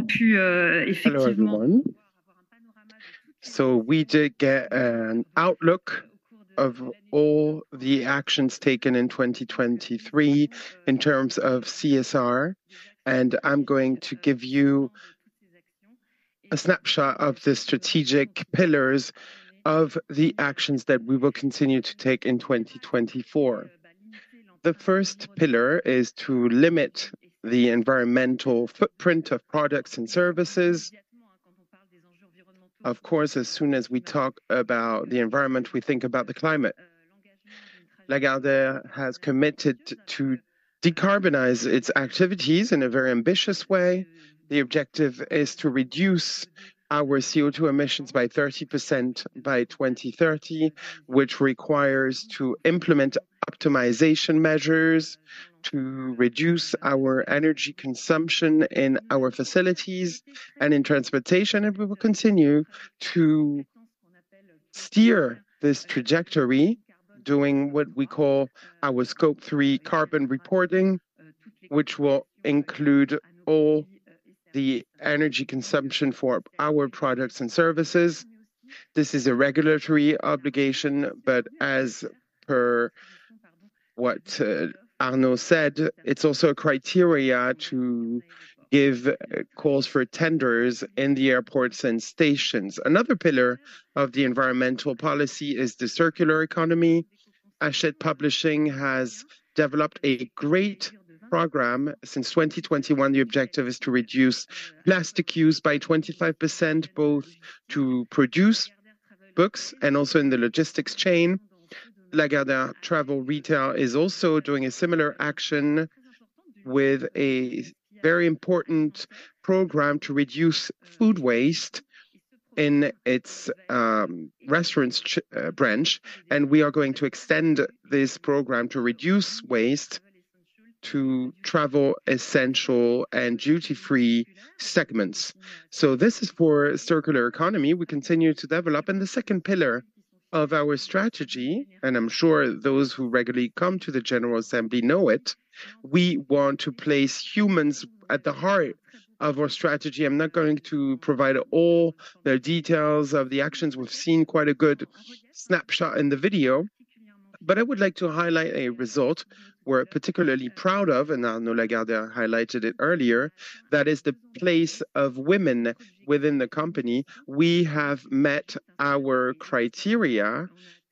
pu, effectivement- Hello, everyone. We did get an outlook of all the actions taken in 2023 in terms of CSR, and I'm going to give you a snapshot of the strategic pillars of the actions that we will continue to take in 2024. The first pillar is to limit the environmental footprint of products and services. Of course, as soon as we talk about the environment, we think about the climate. Lagardère has committed to decarbonize its activities in a very ambitious way. The objective is to reduce our CO2 emissions by 30% by 2030, which requires to implement optimization measures to reduce our energy consumption in our facilities and in transportation, and we will continue to steer this trajectory, doing what we call our Scope 3 carbon reporting, which will include all the energy consumption for our products and services. This is a regulatory obligation, but as per what Arnaud said, it's also a criteria to give calls for tenders in the airports and stations. Another pillar of the environmental policy is the circular economy. Hachette Publishing has developed a great program since 2021. The objective is to reduce plastic use by 25%, both to produce books and also in the logistics chain. Lagardère Travel Retail is also doing a similar action with a very important program to reduce food waste in its restaurant chain, and we are going to extend this program to reduce waste to travel essential and duty-free segments. So this is for circular economy we continue to develop. And the second pillar of our strategy, and I'm sure those who regularly come to the General Assembly know it, we want to place humans at the heart of our strategy. I'm not going to provide all the details of the actions. We've seen quite a good snapshot in the video, but I would like to highlight a result we're particularly proud of, and Arnaud Lagardère highlighted it earlier, that is the place of women within the company. We have met our criteria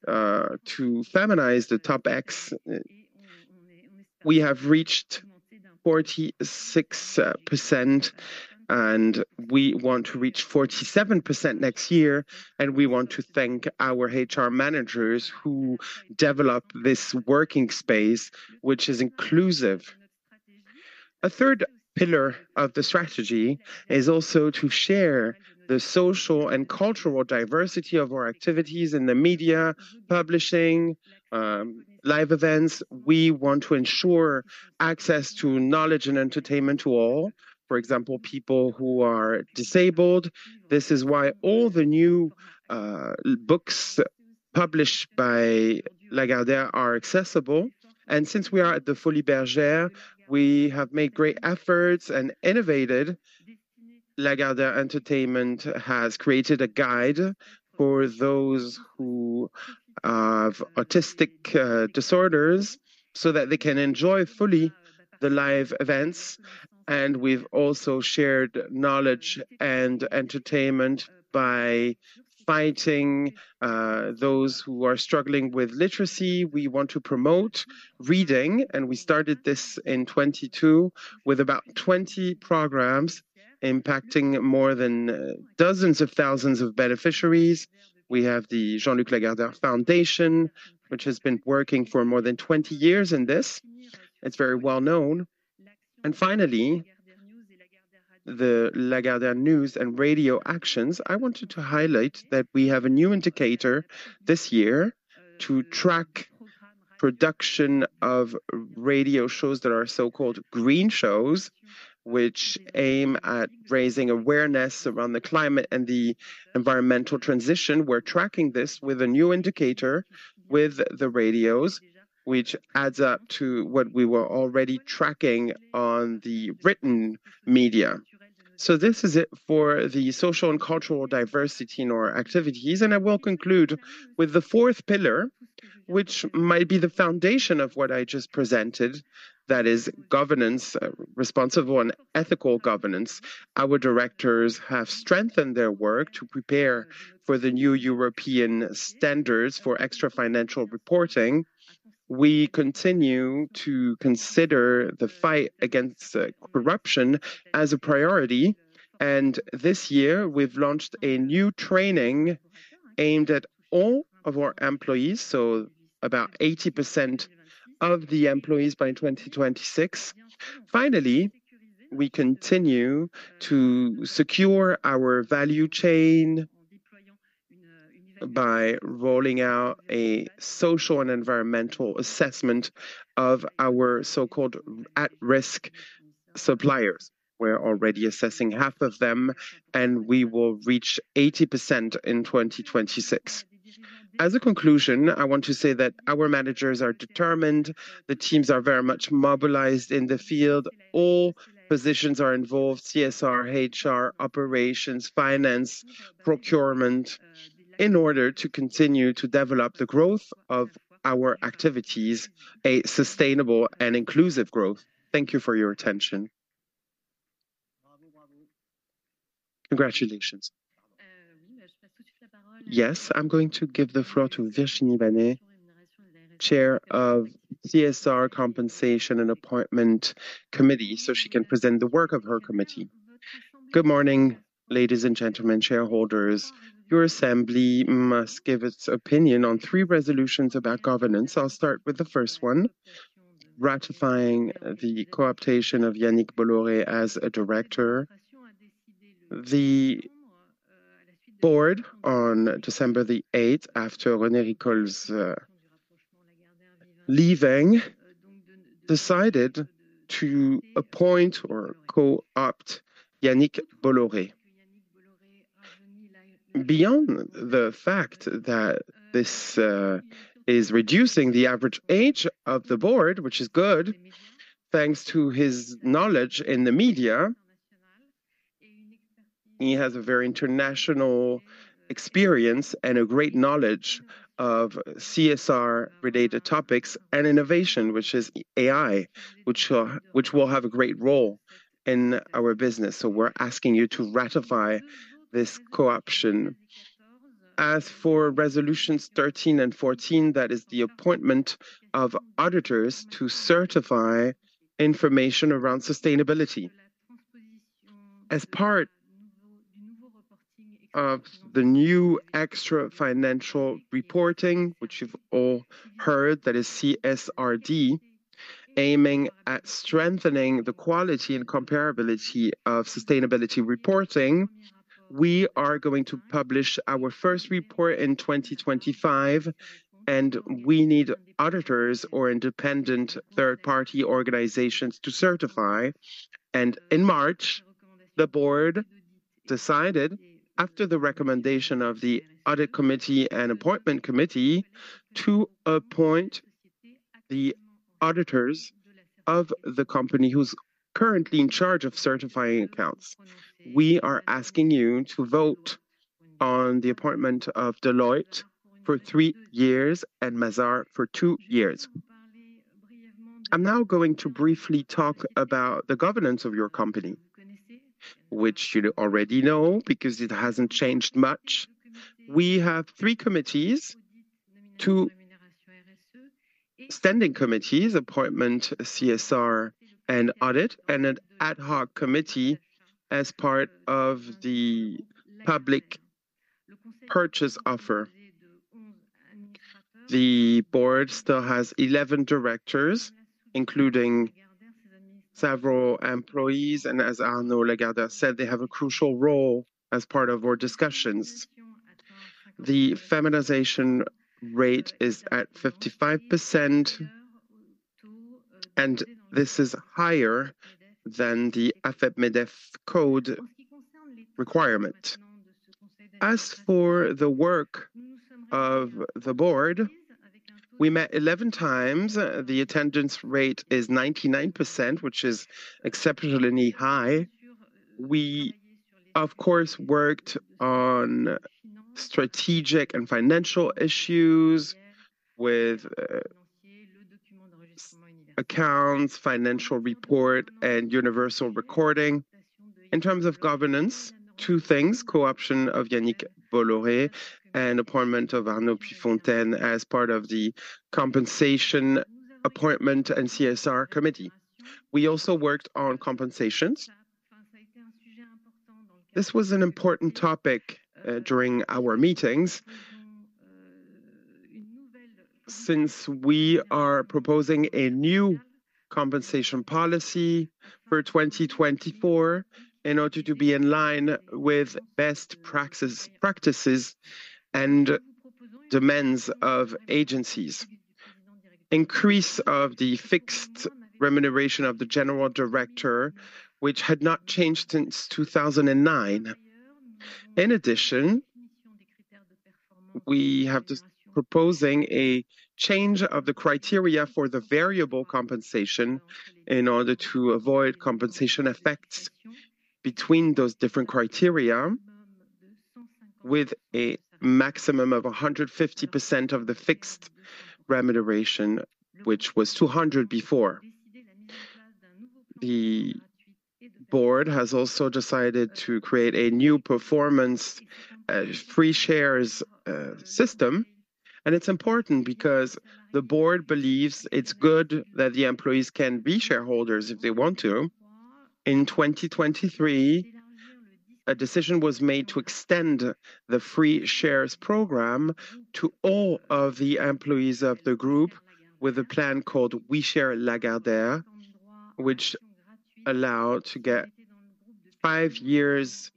to feminize the top X. We have reached 46%, and we want to reach 47% next year, and we want to thank our HR managers who developed this working space, which is inclusive. A third pillar of the strategy is also to share the social and cultural diversity of our activities in the media, publishing, live events. We want to ensure access to knowledge and entertainment to all, for example, people who are disabled. This is why all the new books published by Lagardère are accessible, and since we are at the Folies Bergère, we have made great efforts and innovated. Lagardère Entertainment has created a guide for those who have autistic disorders so that they can enjoy fully the live events, and we've also shared knowledge and entertainment by fighting those who are struggling with literacy. We want to promote reading, and we started this in 2022 with about 20 programs impacting more than dozens of thousands of beneficiaries. We have the Jean-Luc Lagardère Foundation, which has been working for more than 20 years, and this, it's very well known. And finally, the Lagardère News and Radio actions. I wanted to highlight that we have a new indicator this year to track production of radio shows that are so-called green shows, which aim at raising awareness around the climate and the environmental transition. We're tracking this with a new indicator with the radios, which adds up to what we were already tracking on the written media. So this is it for the social and cultural diversity in our activities, and I will conclude with the fourth pillar, which might be the foundation of what I just presented. That is governance, responsible and ethical governance. Our directors have strengthened their work to prepare for the new European standards for extra financial reporting. We continue to consider the fight against corruption as a priority, and this year, we've launched a new training aimed at all of our employees, so about 80% of the employees by 2026. We continue to secure our value chain by rolling out a social and environmental assessment of our so-called at-risk suppliers. We're already assessing half of them, and we will reach 80% in 2026. As a conclusion, I want to say that our managers are determined, the teams are very much mobilized in the field. All positions are involved, CSR, HR, operations, finance, procurement, in order to continue to develop the growth of our activities, a sustainable and inclusive growth. Thank you for your attention. Congratulations. Yes, I'm going to give the floor to Virginie Banet, Chair of the Appointment, Compensation, and CSR Committee, so she can present the work of her committee. Good morning, ladies and gentlemen, shareholders. Your assembly must give its opinion on three resolutions about governance. I'll start with the first one, ratifying the co-optation of Yannick Bolloré as a director. The board, on December the eighth, after René Ricol's leaving, decided to appoint or co-opt Yannick Bolloré. Beyond the fact that this is reducing the average age of the board, which is good, thanks to his knowledge in the media, he has a very international experience and a great knowledge of CSR-related topics and innovation, which is AI, which will have a great role in our business. So we're asking you to ratify this co-option. As for resolutions 13 and 14, that is the appointment of auditors to certify information around sustainability. As part of the new extra-financial reporting, which you've all heard, that is CSRD, aiming at strengthening the quality and comparability of sustainability reporting, we are going to publish our first report in 2025, and we need auditors or independent third-party organizations to certify. In March, the board decided, after the recommendation of the Audit Committee and Appointment Committee, to appoint the auditors of the company who's currently in charge of certifying accounts. We are asking you to vote on the appointment of Deloitte for 3 years and Mazars for 2 years. I'm now going to briefly talk about the governance of your company, which you already know because it hasn't changed much. We have three committees: two standing committees, Appointment, CSR, and Audit, and an ad hoc committee as part of the public purchase offer. The board still has 11 directors, including several employees, and as Arnaud Lagardère said, they have a crucial role as part of our discussions. The feminization rate is at 55%, and this is higher than the AFEP-MEDEF code requirement. As for the work of the board, we met 11 times. The attendance rate is 99%, which is exceptionally high. We, of course, worked on strategic and financial issues with accounts, financial report, and universal registration. In terms of governance, two things: co-option of Yannick Bolloré and appointment of Arnaud de Puyfontaine as part of the Compensation, Appointment, and CSR Committee. We also worked on compensations. This was an important topic during our meetings since we are proposing a new compensation policy for 2024 in order to be in line with best practices and demands of agencies. Increase of the fixed remuneration of the general director, which had not changed since 2009. In addition, we have this proposing a change of the criteria for the variable compensation in order to avoid compensation effects between those different criteria, with a maximum of 150% of the fixed remuneration, which was 200 before. The board has also decided to create a new performance free shares system, and it's important because the board believes it's good that the employees can be shareholders if they want to. In 2023... A decision was made to extend the free shares program to all of the employees of the group with a plan called We Share Lagardère, which allow to get five years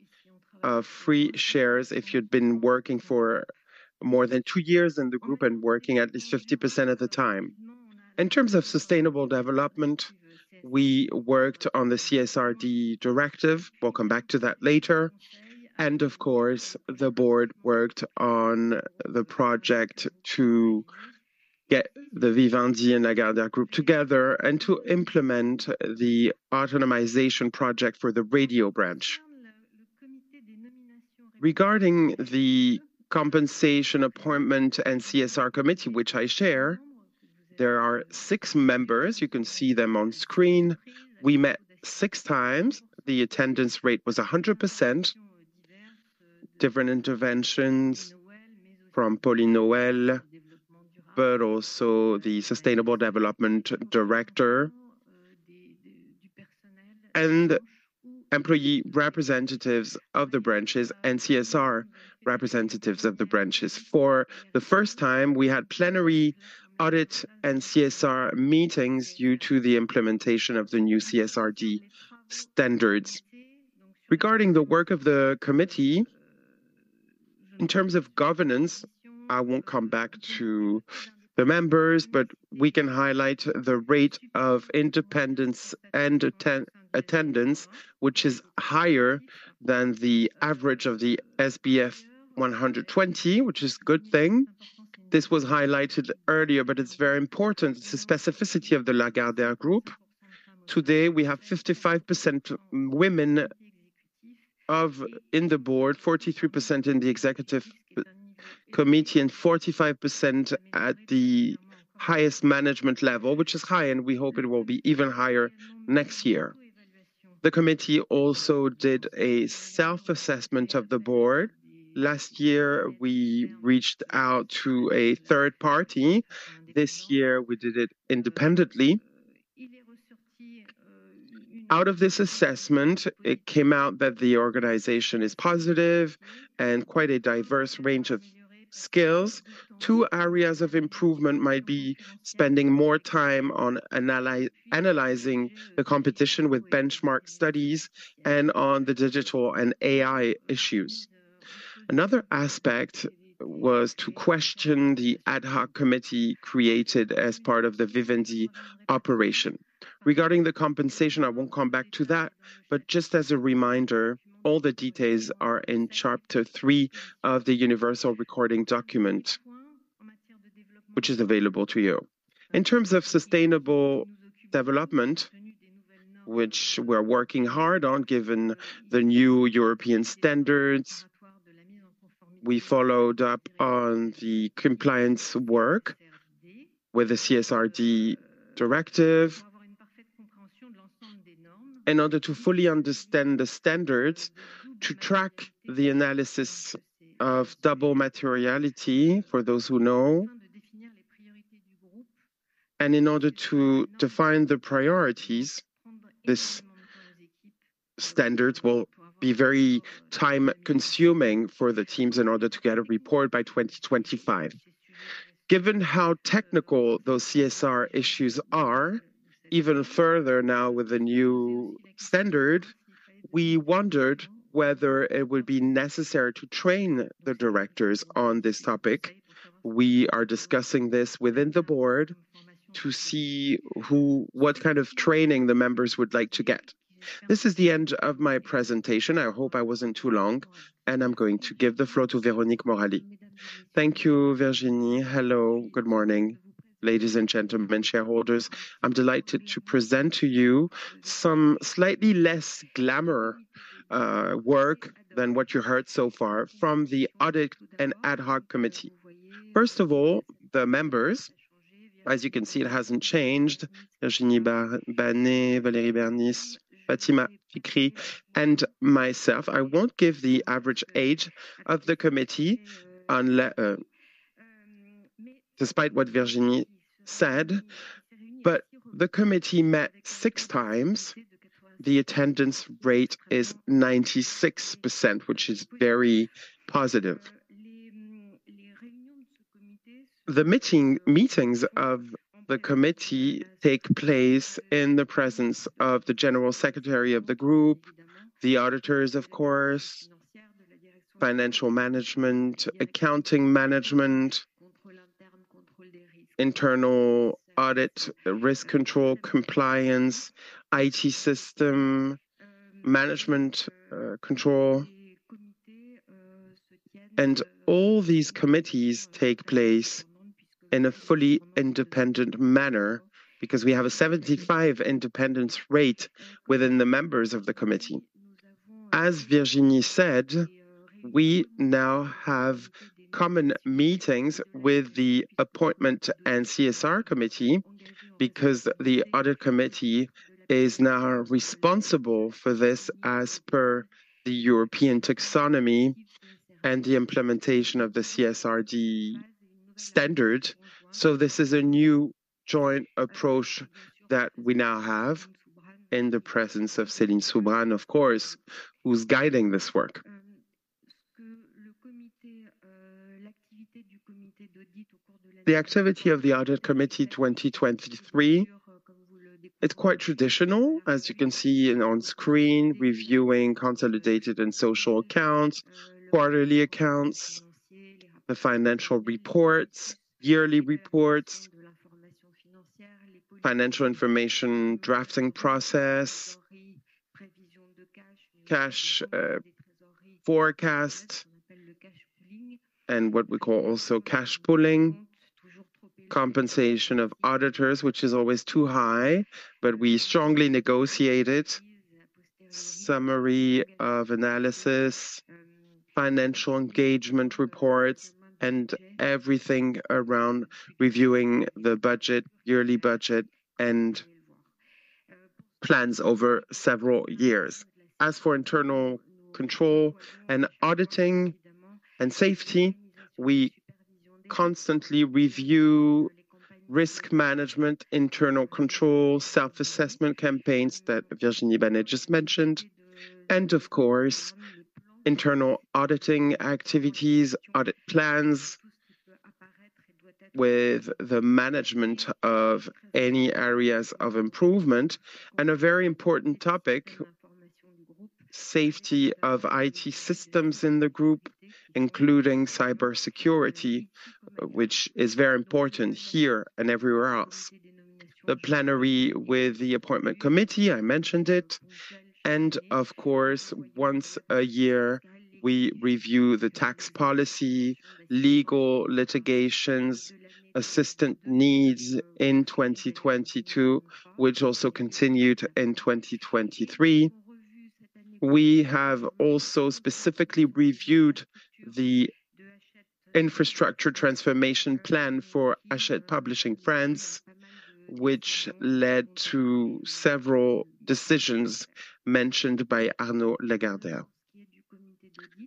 of free shares if you'd been working for more than two years in the group and working at least 50% of the time. In terms of sustainable development, we worked on the `CSRD directive. We'll come back to that later. And of course, the board worked on the project to get the Vivendi and Lagardère Group together, and to implement the autonomization project for the radio branch. Regarding the compensation appointment and CSR committee, which I chair, there are six members. You can see them on screen. We met six times. The attendance rate was 100%. Different interventions from Pauline Noël, but also the sustainable development director, and employee representatives of the branches and CSR representatives of the branches. For the first time, we had plenary, audit, and CSR meetings due to the implementation of the new CSRD standards. Regarding the work of the committee, in terms of governance, I won't come back to the members, but we can highlight the rate of independence and attendance, which is higher than the average of the SBF 120, which is a good thing. This was highlighted earlier, but it's very important. It's a specificity of the Lagardère Group. Today, we have 55% women of... in the board, 43% in the executive committee, and 45% at the highest management level, which is high, and we hope it will be even higher next year. The committee also did a self-assessment of the board. Last year, we reached out to a third party. This year, we did it independently. Out of this assessment, it came out that the organization is positive and quite a diverse range of skills. Two areas of improvement might be spending more time on analyzing the competition with benchmark studies and on the digital and AI issues. Another aspect was to question the ad hoc committee created as part of the Vivendi operation. Regarding the compensation, I won't come back to that, but just as a reminder, all the details are in chapter 3 of the universal registration document, which is available to you. In terms of sustainable development, which we're working hard on, given the new European standards, we followed up on the compliance work with the CSRD directive in order to fully understand the standards, to track the analysis of double materiality, for those who know. And in order to define the priorities, these standards will be very time-consuming for the teams in order to get a report by 2025. Given how technical those CSR issues are, even further now with the new standard, we wondered whether it would be necessary to train the directors on this topic. We are discussing this within the board to see what kind of training the members would like to get. This is the end of my presentation. I hope I wasn't too long, and I'm going to give the floor to Véronique Morali. Thank you, Virginie. Hello, good morning, ladies and gentlemen, shareholders. I'm delighted to present to you some slightly less glamour work than what you heard so far from the audit and ad hoc committee. First of all, the members, as you can see, it hasn't changed. Virginie Banet, Valérie Bernis, Fatima Fikri, and myself. I won't give the average age of the committee despite what Virginie said. But the committee met six times. The attendance rate is 96%, which is very positive. The meeting, meetings of the committee take place in the presence of the general secretary of the group, the auditors, of course, financial management, accounting management, internal audit, risk control, compliance, IT system, management, control. All these committees take place in a fully independent manner because we have a 75% independence rate within the members of the committee. As Virginie said, we now have common meetings with the appointment and CSR committee because the audit committee is now responsible for this as per the European taxonomy and the implementation of the CSRD standard. This is a new joint approach that we now have in the presence of Céline Soubiran, of course, who's guiding this work. The activity of the Audit Committee 2023, it's quite traditional, as you can see on screen, reviewing consolidated and social accounts, quarterly accounts, the financial reports, yearly reports, financial information drafting process, cash forecast, and what we call also cash pooling. Compensation of auditors, which is always too high, but we strongly negotiate it. Summary of analysis, financial engagement reports, and everything around reviewing the budget, yearly budget, and plans over several years. As for internal control and auditing and safety, we constantly review risk management, internal control, self-assessment campaigns that Virginie Banet just mentioned, and of course, internal auditing activities, audit plans with the management of any areas of improvement. A very important topic, safety of IT systems in the group, including cybersecurity, which is very important here and everywhere else. The plenary with the appointment committee, I mentioned it, and of course, once a year we review the tax policy, legal litigations, assistant needs in 2022, which also continued in 2023. We have also specifically reviewed the infrastructure transformation plan for Hachette Publishing France, which led to several decisions mentioned by Arnaud Lagardère.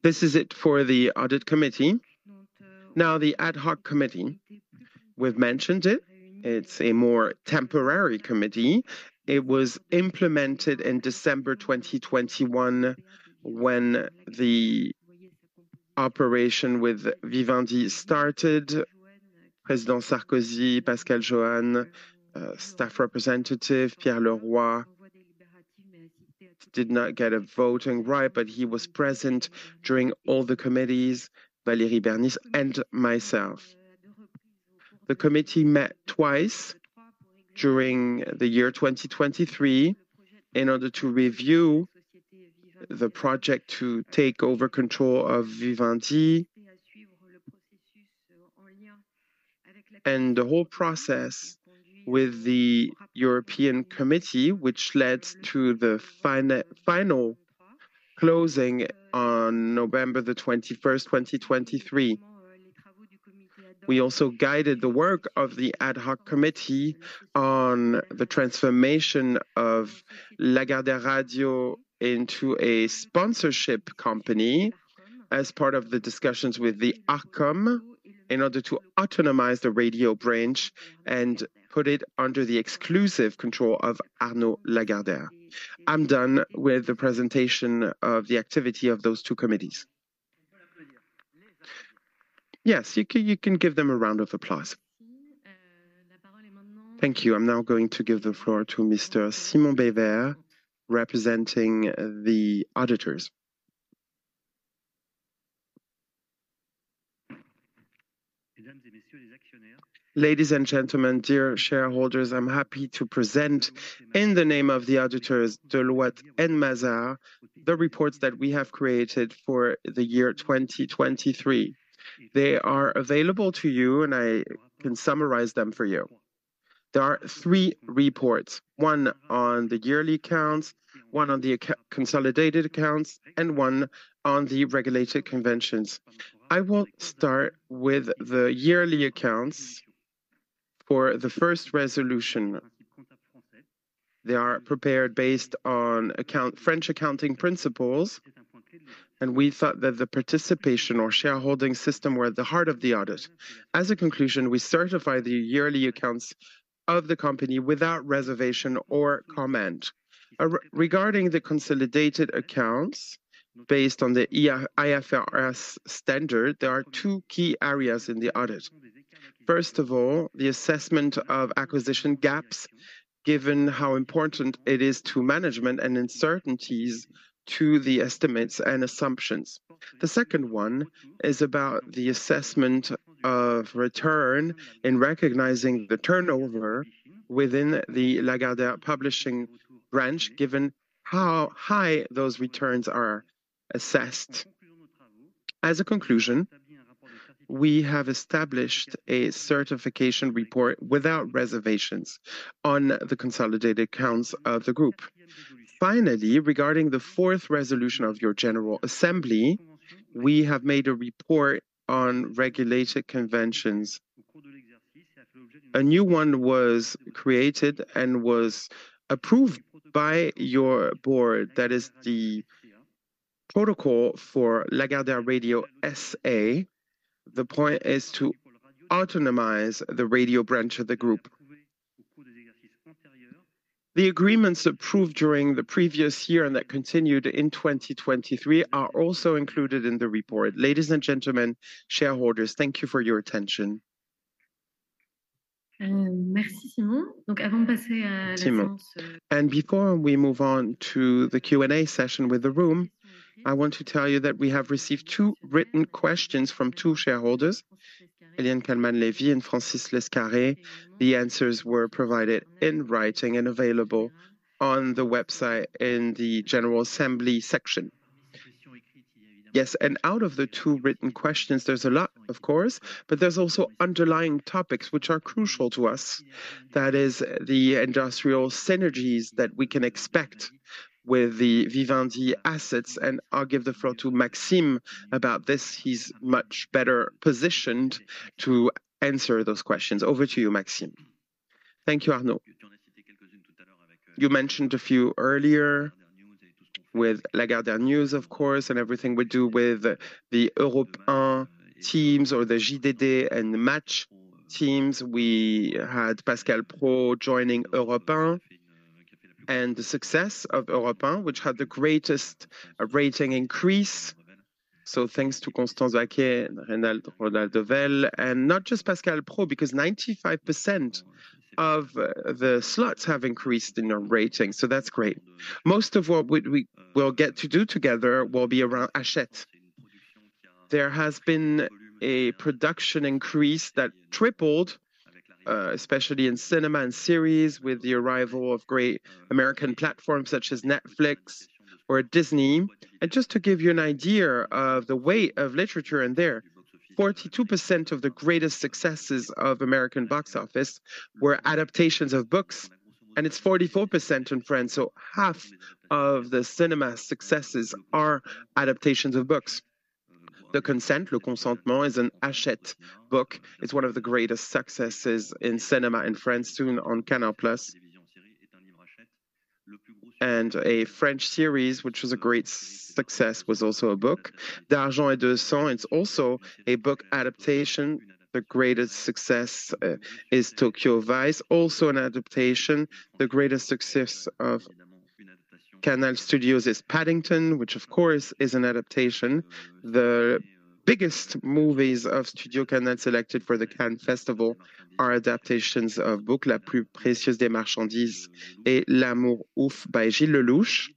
This is it for the Audit Committee. Now, the Ad Hoc Committee, we've mentioned it. It's a more temporary committee. It was implemented in December 2021 when the operation with Vivendi started. President Sarkozy, Pascal Jouen, staff representative, Pierre Leroy, did not get a voting right, but he was present during all the committees, Valérie Bernis and myself. The committee met twice during the year 2023 in order to review the project to take over control of Vivendi and the whole process with the European Committee, which led to the final closing on November 21, 2023. We also guided the work of the Ad Hoc Committee on the transformation of Lagardère Radio into a sponsorship company as part of the discussions with the Arcom, in order to autonomize the radio branch and put it under the exclusive control of Arnaud Lagardère. I'm done with the presentation of the activity of those two committees. Yes, you can, you can give them a round of applause. Thank you. I'm now going to give the floor to Mr. Simon Beillevaire, representing the auditors. Ladies and gentlemen, dear shareholders, I'm happy to present, in the name of the auditors, Deloitte and Mazars, the reports that we have created for the year 2023. They are available to you, and I can summarize them for you. There are three reports: one on the yearly accounts, one on the consolidated accounts, and one on the regulated conventions. I will start with the yearly accounts for the first resolution. They are prepared based on French accounting principles, and we thought that the participation or shareholding system were at the heart of the audit. As a conclusion, we certify the yearly accounts of the company without reservation or comment. Regarding the consolidated accounts, based on the IFRS standard, there are two key areas in the audit. First of all, the assessment of acquisition gaps, given how important it is to management and uncertainties to the estimates and assumptions. The second one is about the assessment of return in recognizing the turnover within the Lagardère publishing branch, given how high those returns are assessed. As a conclusion, we have established a certification report without reservations on the consolidated accounts of the group. Finally, regarding the fourth resolution of your general assembly, we have made a report on regulated conventions. A new one was created and was approved by your board, that is the protocol for Lagardère Radio SA. The point is to autonomize the radio branch of the group. The agreements approved during the previous year and that continued in 2023 are also included in the report. Ladies and gentlemen, shareholders, thank you for your attention. Merci, Simon. Simon. Before we move on to the Q&A session with the room, I want to tell you that we have received two written questions from two shareholders, Eliane Kalman and Francis Lescaret. The answers were provided in writing and available on the website in the General Assembly section. Yes, and out of the two written questions, there's a lot, of course, but there's also underlying topics which are crucial to us. That is the industrial synergies that we can expect with the Vivendi assets, and I'll give the floor to Maxime about this. He's much better positioned to answer those questions. Over to you, Maxime. Thank you, Arnaud. You mentioned a few earlier with Lagardère News, of course, and everything we do with the Europe 1 teams or the JDD and the Match teams. We had Pascal Praud joining Europe 1, and the success of Europe 1, which had the greatest rating increase. So thanks to Constance Benqué, Donat Vidal Revel, and not just Pascal Praud, because 95% of the slots have increased in their rating, so that's great. Most of what we will get to do together will be around Hachette. There has been a production increase that tripled, especially in cinema and series, with the arrival of great American platforms such as Netflix or Disney. And just to give you an idea of the weight of literature in there, 42% of the greatest successes of American box office were adaptations of books, and it's 44% in France. So half of the cinema successes are adaptations of books. The Consent, Le Consentement, is an Hachette book. It's one of the greatest successes in cinema in France, soon on Canal+. And a French series, which was a great success, was also a book. D'Argent et de Sang, it's also a book adaptation. The greatest success is Tokyo Vice, also an adaptation. The greatest success of StudioCanal is Paddington, which of course is an adaptation. The biggest movies of StudioCanal selected for the Cannes Festival are adaptations of books, La Plus Précieuse des Marchandises et L'Amour Ouf by Gilles Lellouche.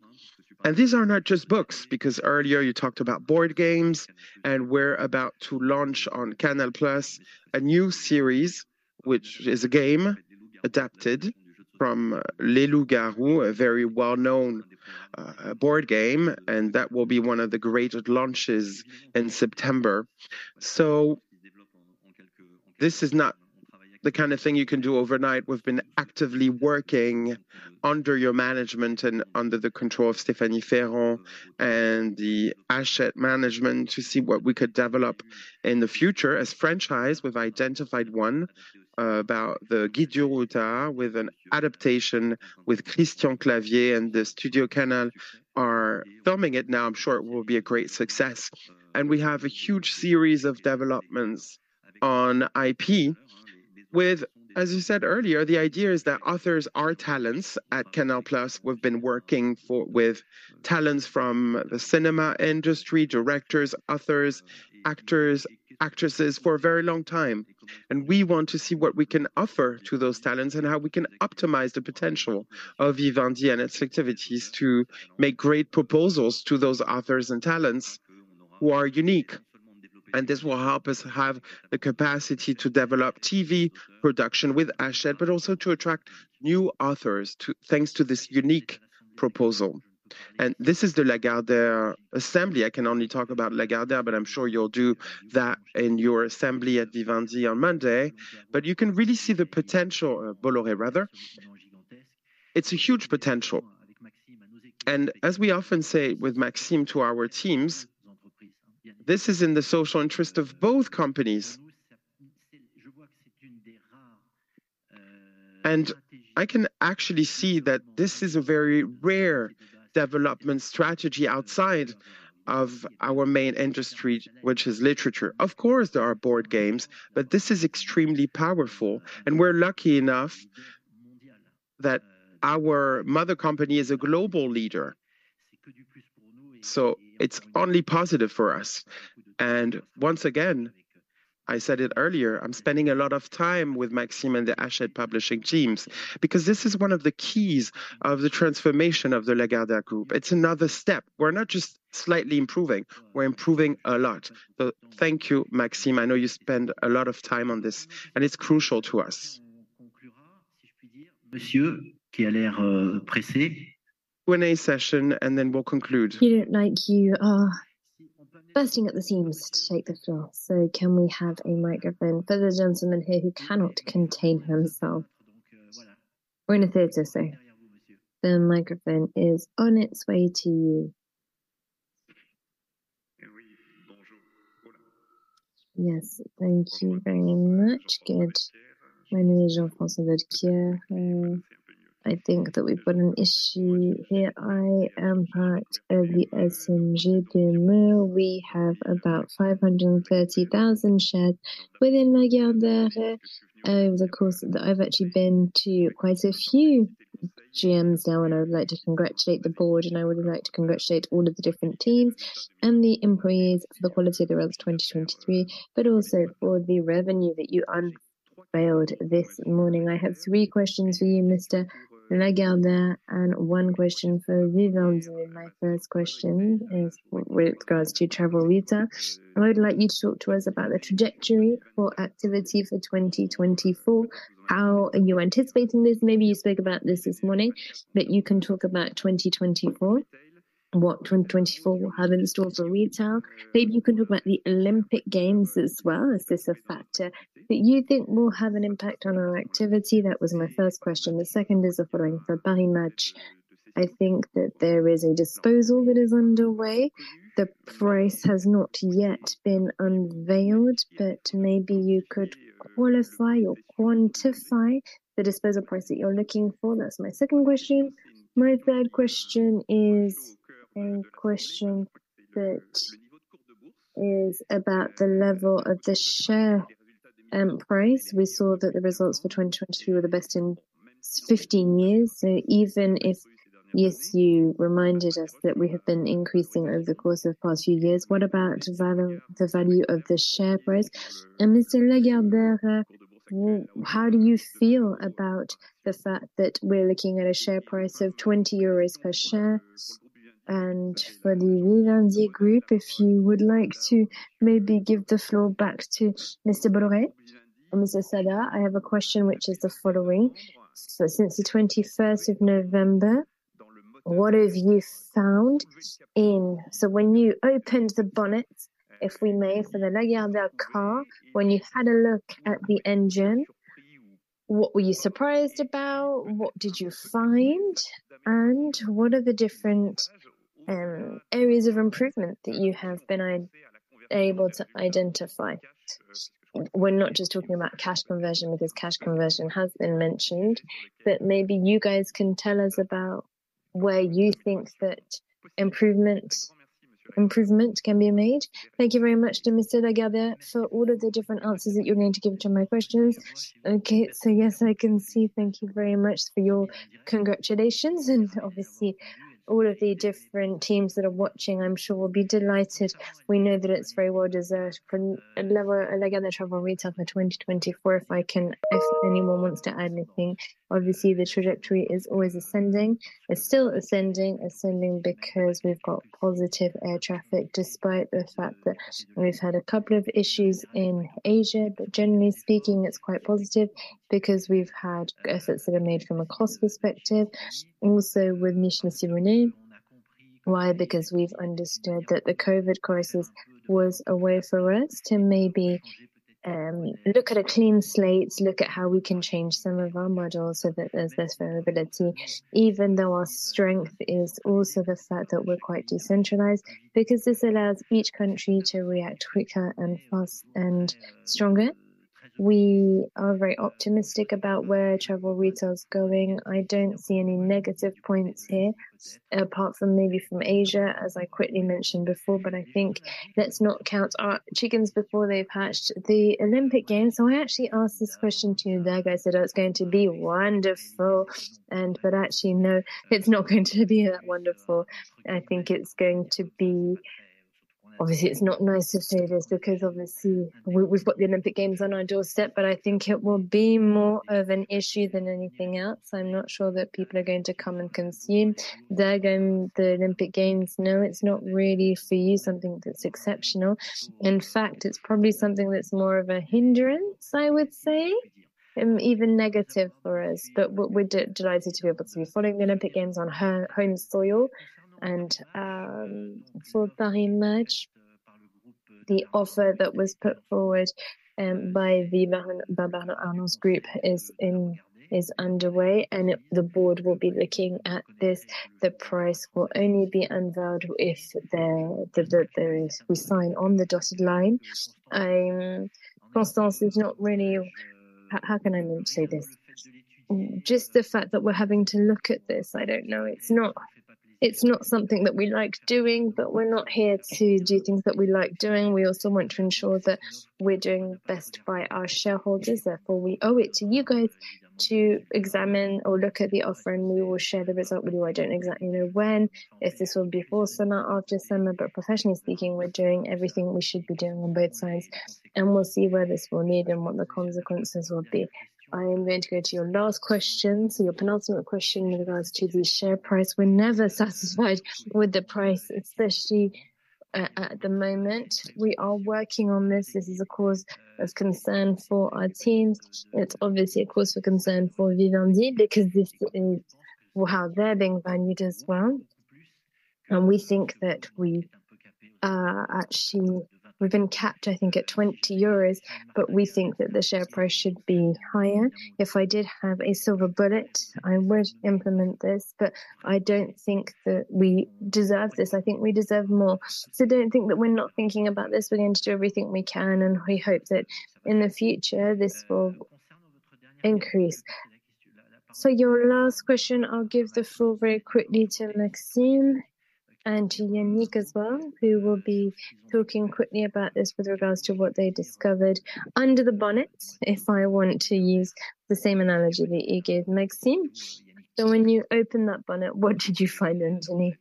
And these are not just books, because earlier you talked about board games, and we're about to launch on Canal+ a new series, which is a game adapted from Les Loups-Garous, a very well-known board game, and that will be one of the greatest launches in September. So this is not the kind of thing you can do overnight. We've been actively working under your management and under the control of Stéphanie Ferran and the Hachette management to see what we could develop in the future. As franchise, we've identified one, about the Guide du Routard, with an adaptation with Christian Clavier, and the StudioCanal are filming it now. I'm sure it will be a great success. And we have a huge series of developments on IP with... As you said earlier, the idea is that authors are talents. At Canal+, we've been working with talents from the cinema industry, directors, authors, actors, actresses, for a very long time, and we want to see what we can offer to those talents and how we can optimize the potential of Vivendi and its activities to make great proposals to those authors and talents who are unique. This will help us have the capacity to develop TV production with Hachette, but also to attract new authors thanks to this unique proposal. This is the Lagardère assembly. I can only talk about Lagardère, but I'm sure you'll do that in your assembly at Vivendi on Monday. But you can really see the potential, Bolloré, rather. It's a huge potential, and as we often say with Maxime to our teams, this is in the social interest of both companies. I can actually see that this is a very rare development strategy outside of our main industry, which is literature. Of course, there are board games, but this is extremely powerful, and we're lucky enough that our mother company is a global leader, so it's only positive for us. And once again, I said it earlier, I'm spending a lot of time with Maxime and the Hachette publishing teams because this is one of the keys of the transformation of the Lagardère Group. It's another step. We're not just slightly improving, we're improving a lot. So thank you, Maxime. I know you spend a lot of time on this, and it's crucial to us. Q&A session, and then we'll conclude. You look like you are bursting at the seams to take the floor, so can we have a microphone for the gentleman here who cannot contain himself? We're in a theater, so... The microphone is on its way to you.... Yes, thank you very much. Good. My name is Jean-François Verdier. I think that we've got an issue here. I am part of the FCPE Lagardère Actionnariat. We have about 530,000 shares within Lagardère. Over the course, I've actually been to quite a few GMs now, and I would like to congratulate the board, and I would like to congratulate all of the different teams and the employees for the quality of the results 2023, but also for the revenue that you unveiled this morning. I have three questions for you, Mr. Lagardère, and one question for Vivendi. My first question is with regards to Travel Retail, I would like you to talk to us about the trajectory for activity for 2024. How are you anticipating this? Maybe you spoke about this this morning, but you can talk about 2024, what 2024 will have in store for retail. Maybe you can talk about the Olympic Games as well. Is this a factor that you think will have an impact on our activity? That was my first question. The second is the following: for Paris Match, I think that there is a disposal that is underway. The price has not yet been unveiled, but maybe you could qualify or quantify the disposal price that you're looking for. That's my second question. My third question is a question that is about the level of the share price. We saw that the results for 2022 were the best in 15 years. So even if, yes, you reminded us that we have been increasing over the course of the past few years, what about the value, the value of the share price? And Mr. Lagardère, how do you feel about the fact that we're looking at a share price of 20 euros per share? And for the Vivendi Group, if you would like to maybe give the floor back to Mr. Bolloré and Mr. Saada, I have a question, which is the following: So since the 21st of November, what have you found in... So when you opened the bonnet, if we may, for the Lagardère car, when you had a look at the engine, what were you surprised about? What did you find, and what are the different areas of improvement that you have been able to identify? We're not just talking about cash conversion, because cash conversion has been mentioned, but maybe you guys can tell us about where you think that improvement, improvement can be made. Thank you very much to Mr. Lagardère for all of the different answers that you're going to give to my questions. Okay, so yes, I can see. Thank you very much for your congratulations, and obviously, all of the different teams that are watching, I'm sure, will be delighted. We know that it's very well deserved from Lagardère Travel Retail for 2024. If I can—if anyone wants to add anything, obviously, the trajectory is always ascending. It's still ascending, ascending because we've got positive air traffic, despite the fact that we've had a couple of issues in Asia. But generally speaking, it's quite positive because we've had efforts that are made from a cost perspective, also with Mission Simone. Why? Because we've understood that the COVID crisis was a way for us to maybe look at a clean slate, look at how we can change some of our models so that there's less variability, even though our strength is also the fact that we're quite decentralized, because this allows each country to react quicker and fast and stronger. We are very optimistic about where Travel Retail is going. I don't see any negative points here, apart from maybe from Asia, as I quickly mentioned before, but I think let's not count our chickens before they've hatched. The Olympic Games, so I actually asked this question to you guys, that it's going to be wonderful, and but actually, no, it's not going to be that wonderful. I think it's going to be... Obviously, it's not nice to say this because obviously, we, we've got the Olympic Games on our doorstep, but I think it will be more of an issue than anything else. I'm not sure that people are going to come and consume. The Olympic Games, no, it's not really for you, something that's exceptional. In fact, it's probably something that's more of a hindrance, I would say, even negative for us. But we're delighted to be able to follow the Olympic Games on her home soil. And, for Paris Match, the offer that was put forward by the LVMH is underway, and the board will be looking at this. The price will only be unveiled if there is we sign on the dotted line. Constance is not really... How, how can I say this? Just the fact that we're having to look at this, I don't know, it's not, it's not something that we like doing, but we're not here to do things that we like doing. We also want to ensure that we're doing best by our shareholders. Therefore, we owe it to you guys to examine or look at the offer, and we will share the result with you. I don't exactly know when, if this will be before summer, after summer, but professionally speaking, we're doing everything we should be doing on both sides, and we'll see where this will lead and what the consequences will be. I am going to go to your last question, so your penultimate question in regards to the share price. We're never satisfied with the price, especially at, at the moment. We are working on this. This is a cause of concern for our teams. It's obviously a cause for concern for Vivendi, because this is, well, how they're being valued as well. And we think that we, actually, we've been capped, I think, at 20 euros, but we think that the share price should be higher. If I did have a silver bullet, I would implement this, but I don't think that we deserve this. I think we deserve more. So don't think that we're not thinking about this. We're going to do everything we can, and we hope that in the future this will increase. So your last question, I'll give the floor very quickly to Maxime and to Yannick as well, who will be talking quickly about this with regards to what they discovered under the bonnet, if I want to use the same analogy that you gave, Maxime. So when you opened that bonnet, what did you find underneath?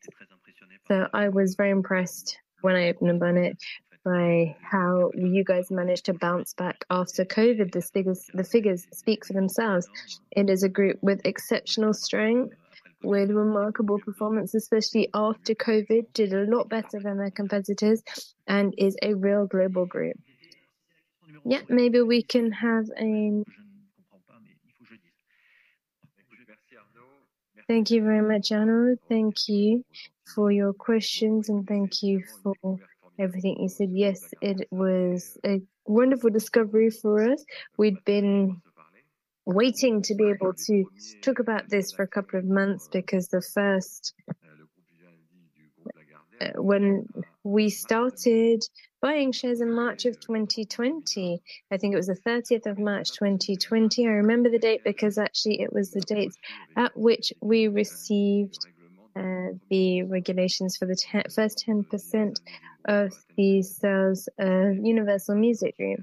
So I was very impressed when I opened the bonnet by how you guys managed to bounce back after COVID. The figures, the figures speak for themselves. It is a group with exceptional strength, with remarkable performance, especially after COVID, did a lot better than their competitors, and is a real global group. Yeah, maybe we can have a- Thank you very much, Arnaud. Thank you for your questions, and thank you for everything you said. Yes, it was a wonderful discovery for us. We'd been waiting to be able to talk about this for a couple of months because the first, when we started buying shares in March of 2020, I think it was the 30th of March, 2020. I remember the date because actually it was the date at which we received the regulations for the then first 10% of the sales, Universal Music Group,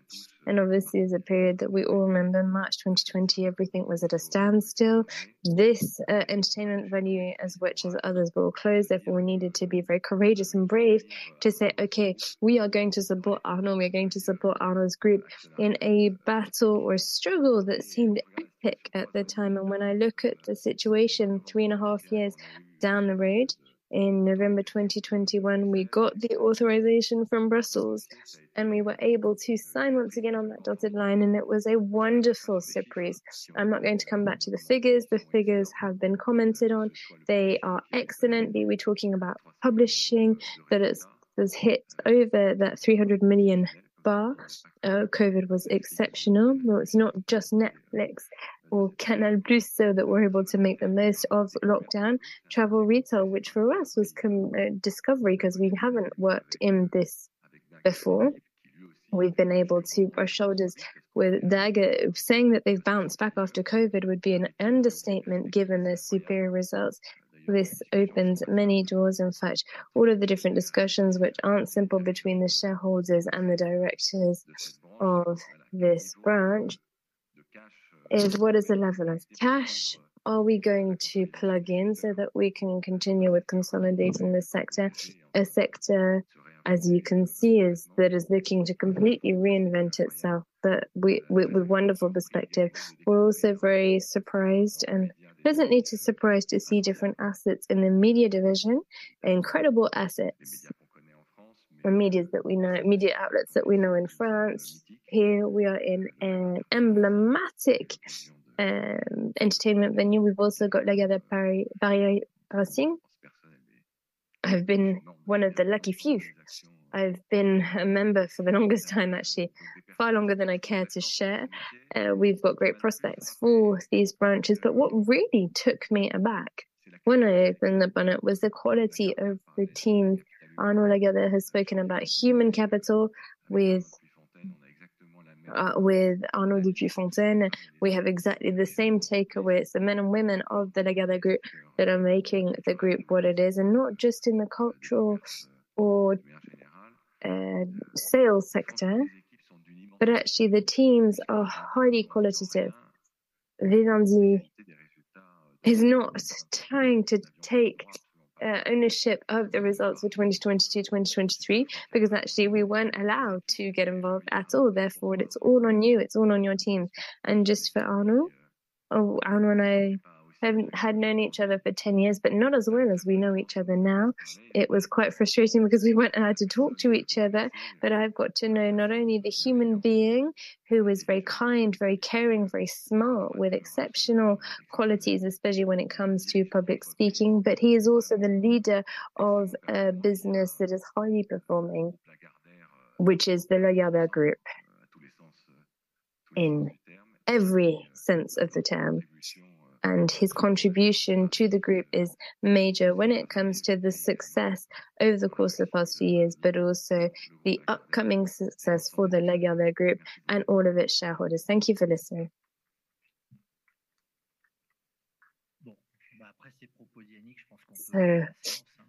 and obviously is a period that we all remember. March 2020, everything was at a standstill. This entertainment venue, which, as others, were all closed. Therefore, we needed to be very courageous and brave to say, "Okay, we are going to support Arnaud. We are going to support Arnaud's group in a battle or struggle that seemed epic at the time." And when I look at the situation three and a half years down the road, in November 2021, we got the authorization from Brussels, and we were able to sign once again on that dotted line, and it was a wonderful surprise. I'm not going to come back to the figures. The figures have been commented on. They are excellent. We were talking about publishing, that it's, has hit over that 300 million bar. COVID was exceptional. Well, it's not just Netflix or Canal+ that were able to make the most of lockdown. Travel retail, which for us was com, discovery 'cause we haven't worked in this before. We've been able to brush shoulders with Lagardère. Saying that they've bounced back after COVID would be an understatement, given their superior results. This opens many doors, in fact, all of the different discussions which aren't simple between the shareholders and the directors of this branch, is what is the level of cash are we going to plug in so that we can continue with consolidating this sector? A sector, as you can see, that is looking to completely reinvent itself, but with wonderful perspective. We're also very surprised and pleasantly surprised to see different assets in the media division, incredible assets, or medias that we know, media outlets that we know in France. Here we are in an emblematic entertainment venue. We've also got Lagardère Paris Racing. I've been one of the lucky few. I've been a member for the longest time, actually, far longer than I care to share. We've got great prospects for these branches, but what really took me aback when I opened the bonnet was the quality of the team. Arnaud Lagardère has spoken about human capital with Arnaud de Puyfontaine. We have exactly the same takeaway. It's the men and women of the Lagardère Group that are making the group what it is, and not just in the cultural or sales sector, but actually the teams are highly qualitative. Vivendi is not trying to take ownership of the results for 2022, 2023, because actually we weren't allowed to get involved at all. Therefore, it's all on you, it's all on your team. And just for Arnaud, oh, Arnaud and I have had known each other for 10 years, but not as well as we know each other now. It was quite frustrating because we weren't allowed to talk to each other. But I've got to know not only the human being, who is very kind, very caring, very smart, with exceptional qualities, especially when it comes to public speaking, but he is also the leader of a business that is highly performing, which is the Lagardère Group, in every sense of the term, and his contribution to the group is major when it comes to the success over the course of the past few years, but also the upcoming success for the Lagardère Group and all of its shareholders. Thank you for listening. So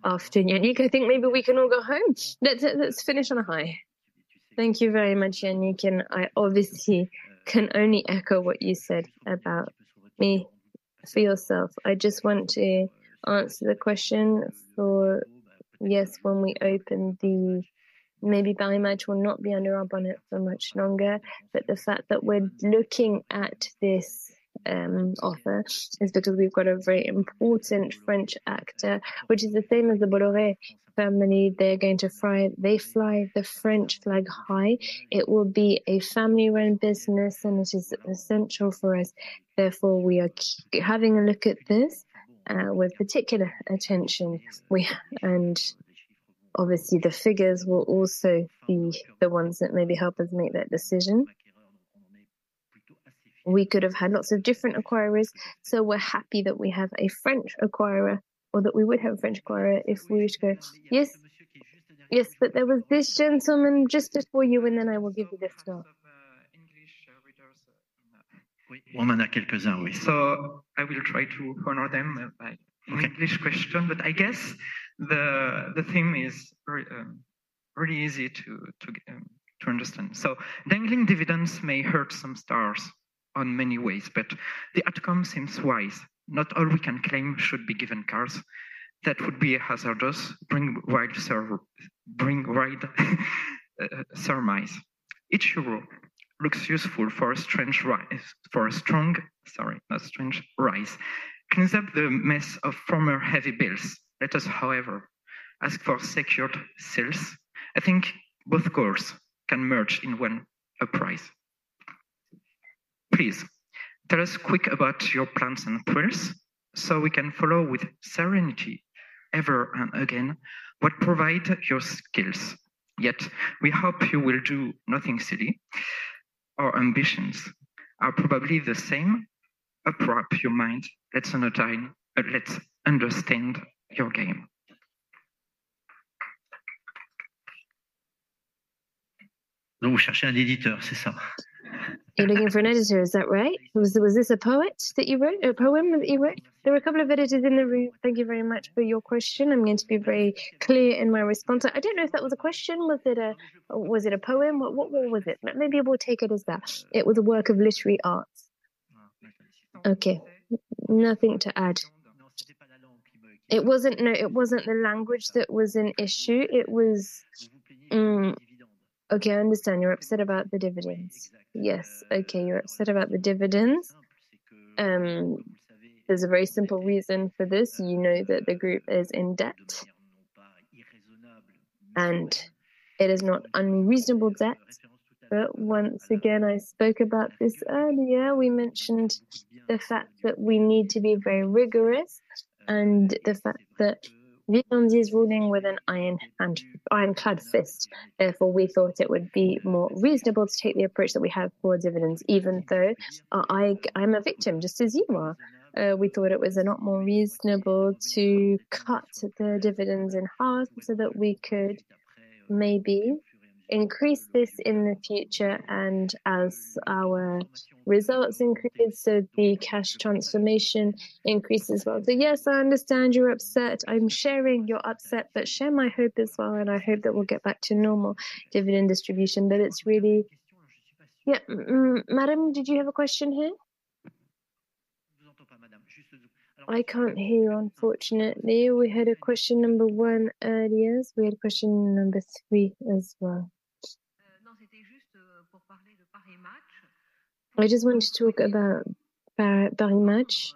after Yannick, I think maybe we can all go home. Let's, let's finish on a high. Thank you very much, Yannick, and I obviously can only echo what you said about me. For yourself, I just want to answer the question for... Yes, when we open the, maybe Paris Match will not be under our bonnet for much longer, but the fact that we're looking at this offer is because we've got a very important French actor, which is the same as the Bolloré family. They're going to fly... They fly the French flag high. It will be a family-run business, and this is essential for us. Therefore, we are having a look at this with particular attention. We, obviously, the figures will also be the ones that maybe help us make that decision. We could have had lots of different acquirers, so we're happy that we have a French acquirer, or that we would have a French acquirer if we were to go- Yes. Yes, but there was this gentleman just before you, and then I will give you the floor.... English readers. So I will try to honor them by. Okay, English question, but I guess the theme is very really easy to understand. So dangling dividends may hurt some shareholders in many ways, but the outcome seems wise. Not all we can claim should be given cash. That would be a hazardous bringing wider surmise. Each euro looks useful for a strong rise. Cleans up the mess of former heavy bills. Let us, however, ask for secured sales. I think both goals can merge in one appraise. Please, tell us quick about your plans and prayers, so we can follow with serenity ever and again what provide your skills. Yet, we hope you will do nothing silly. Our ambitions are probably the same. Unwrap your mind. Let's entertain, but let's understand your game. You're looking for an editor, is that right? You're looking for an editor, is that right? Was this a poet that you wrote—a poem that you wrote? There were a couple of editors in the room. Thank you very much for your question. I'm going to be very clear in my response. I don't know if that was a question. Was it a poem? What was it? But maybe we'll take it as that. It was a work of literary arts. Okay, nothing to add. It wasn't. No, it wasn't the language that was an issue, it was. Okay, I understand. You're upset about the dividends. Exactly. Yes. Okay, you're upset about the dividends. There's a very simple reason for this. You know that the group is in debt, and it is not unreasonable debt. But once again, I spoke about this earlier. We mentioned the fact that we need to be very rigorous and the fact that Vivendi is ruling with an iron hand, ironclad fist. Therefore, we thought it would be more reasonable to take the approach that we have for dividends, even though, I, I'm a victim, just as you are. We thought it was a lot more reasonable to cut the dividends in half so that we could maybe increase this in the future and as our results increase, so the cash transformation increases as well. So yes, I understand you're upset. I'm sharing your upset, but share my hope as well, and I hope that we'll get back to normal dividend distribution. But it's really- Yeah. Mm, madam, did you have a question here? I can't hear, unfortunately. We had a question number one earlier. We had a question number three as well. I just wanted to talk about Paris Match.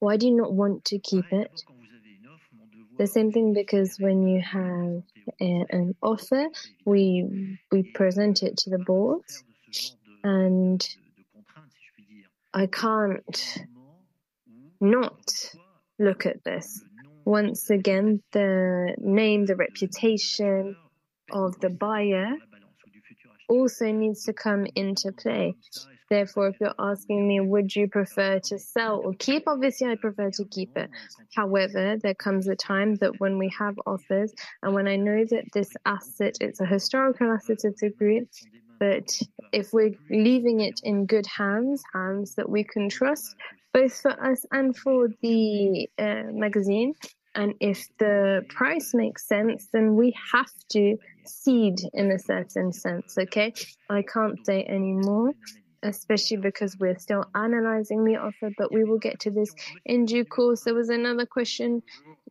Why do you not want to keep it? The same thing, because when you have an offer, we present it to the board, and I can't not look at this. Once again, the name, the reputation of the buyer also needs to come into play. Therefore, if you're asking me: would you prefer to sell or keep? Obviously, I prefer to keep it. However, there comes a time that when we have offers and when I know that this asset, it's a historical asset of the group, but if we're leaving it in good hands, hands that we can trust, both for us and for the magazine, and if the price makes sense, then we have to cede in a certain sense, okay? I can't say any more, especially because we're still analyzing the offer, but we will get to this in due course. There was another question,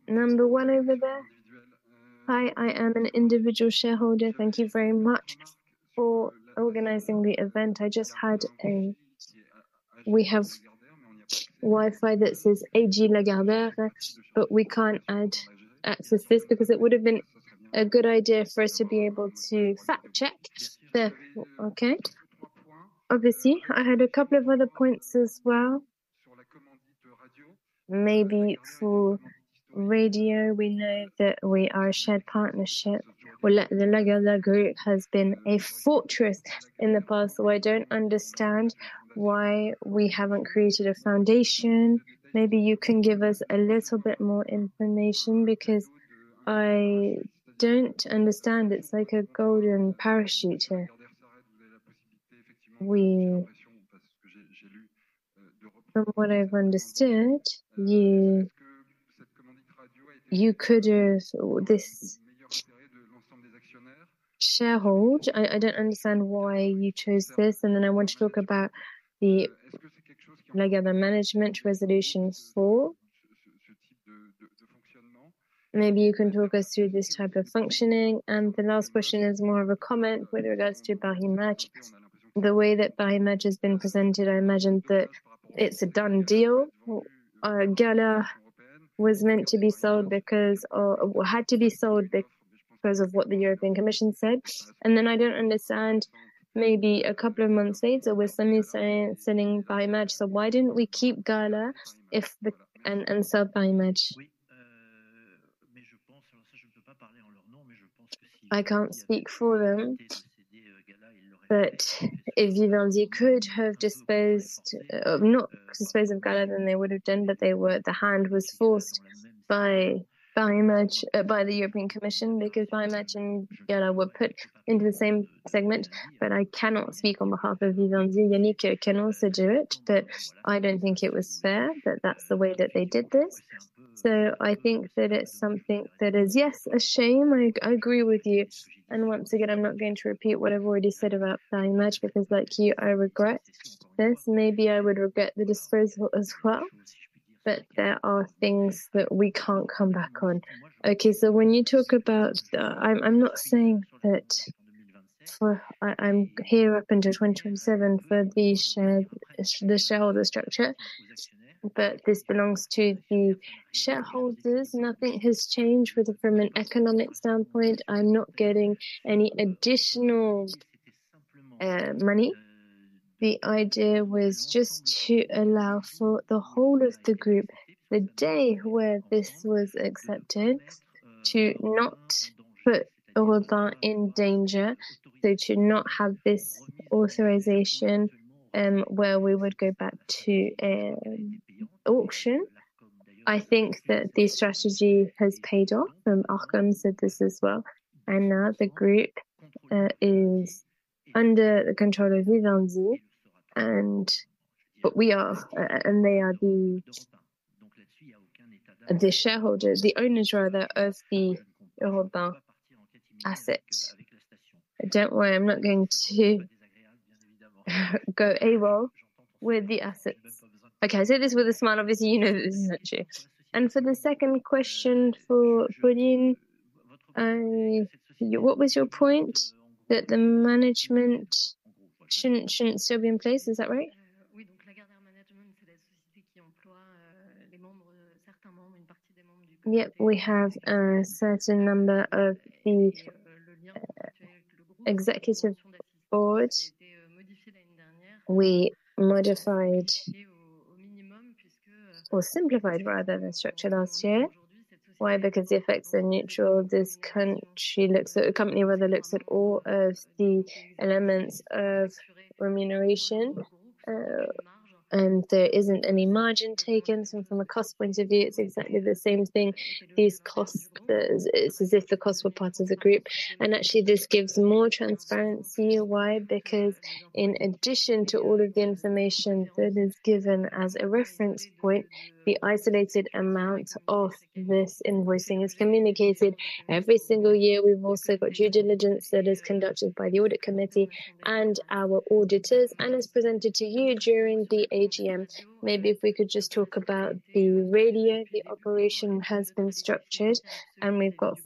number one over there. Hi, I am an individual shareholder. Thank you very much for organizing the event. I just had a... We have Wi-Fi that says AG Lagardère, but we can't access this because it would have been a good idea for us to be able to fact check the... Okay. Obviously, I had a couple of other points as well. Maybe for radio, we know that we are a shared partnership. Well, the Lagardère group has been a fortress in the past, so I don't understand why we haven't created a foundation. Maybe you can give us a little bit more information because I don't understand. It's like a golden parachute here. From what I've understood, you could, so this shareholder, I don't understand why you chose this, and then I want to talk about the Lagardère management resolution four. Maybe you can talk us through this type of functioning. And the last question is more of a comment with regards to Paris Match. The way that Paris Match has been presented, I imagine that it's a done deal, or, Gala was meant to be sold because, or had to be sold because of what the European Commission said. Then I don't understand, maybe a couple of months later, with some saying selling Paris Match. So why didn't we keep Gala if the-- and sell Paris Match? I can't speak for them, but if Vivendi could have disposed, not disposed of Gala, then they would have done, but they were-- the hand was forced by Paris Match, by the European Commission, because Paris Match and Gala were put into the same segment. But I cannot speak on behalf of Vivendi, Yannick can also do it, but I don't think it was fair that that's the way that they did this. So I think that it's something that is, yes, a shame. I agree with you, and once again, I'm not going to repeat what I've already said about Paris Match, because like you, I regret this. Maybe I would regret the disposal as well, but there are things that we can't come back on. Okay, so when you talk about... I'm not saying that for, I'm here up until 2027 for the share, the shareholder structure, but this belongs to the shareholders. Nothing has changed with it from an economic standpoint. I'm not getting any additional money. The idea was just to allow for the whole of the group, the day where this was accepted, to not put Europe 1 in danger, so to not have this authorization, where we would go back to an auction. I think that the strategy has paid off, and Arcom said this as well, and now the group is under the control of Vivendi, and but we are, and they are the shareholders, the owners rather, of the Europe 1 assets. Don't worry, I'm not going to go AWOL with the assets. Okay, I say this with a smile, obviously, you know this isn't true. And for the second question for Pauline, what was your point? That the management shouldn't, shouldn't still be in place, is that right? Yep, we have a certain number of the executive board. We modified or simplified rather, the structure last year. Why? Because the effects are neutral. This country looks at... A company rather looks at all of the elements of remuneration, and there isn't any margin taken, so from a cost point of view, it's exactly the same thing. These costs, it's as if the costs were part of the group, and actually this gives more transparency. Why? Because in addition to all of the information that is given as a reference point, the isolated amount of this invoicing is communicated every single year. We've also got due diligence that is conducted by the audit committee and our auditors, and is presented to you during the AGM. Maybe if we could just talk about the radio, the operation has been structured, and we've got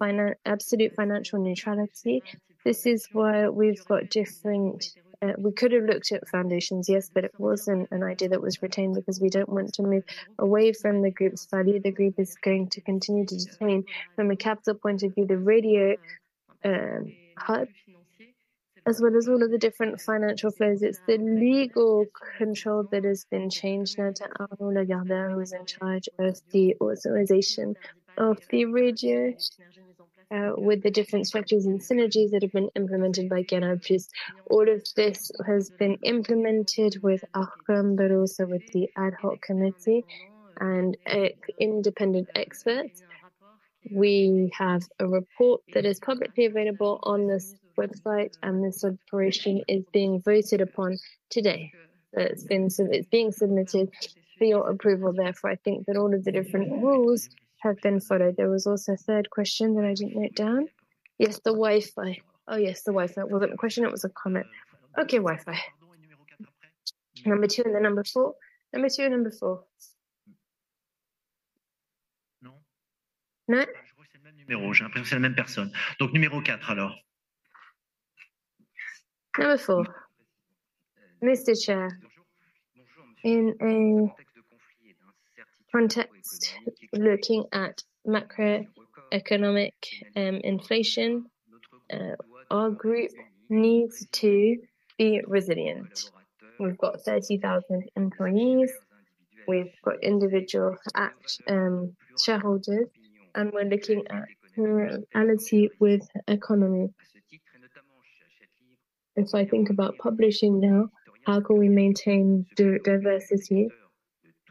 absolute financial neutrality. This is why we've got different... We could have looked at foundations, yes, but it wasn't an idea that was retained because we don't want to move away from the group study. The group is going to continue to sustain, from a capital point of view, the radio hub, as well as all of the different financial flows. It's the legal control that has been changed now to Arnaud Lagardère, who is in charge of the authorization of the radio, with the different structures and synergies that have been implemented by Gala. Just all of this has been implemented with Arcom, but also with the ad hoc committee and independent experts. We have a report that is publicly available on this website, and this operation is being voted upon today. It's being submitted for your approval, therefore, I think that all of the different rules have been followed. There was also a third question that I didn't note down. Yes, the Wi-Fi. Oh, yes, the Wi-Fi. It wasn't a question, it was a comment. Okay, Wi-Fi. Number 2, and then number 4. Number 2 and number 4. No? Number four. Mr. Chair, in a context looking at macroeconomic inflation, our group needs to be resilient. We've got 30,000 employees, we've got individual active shareholders, and we're looking at plurality with economy. If I think about publishing now, how can we maintain diversity?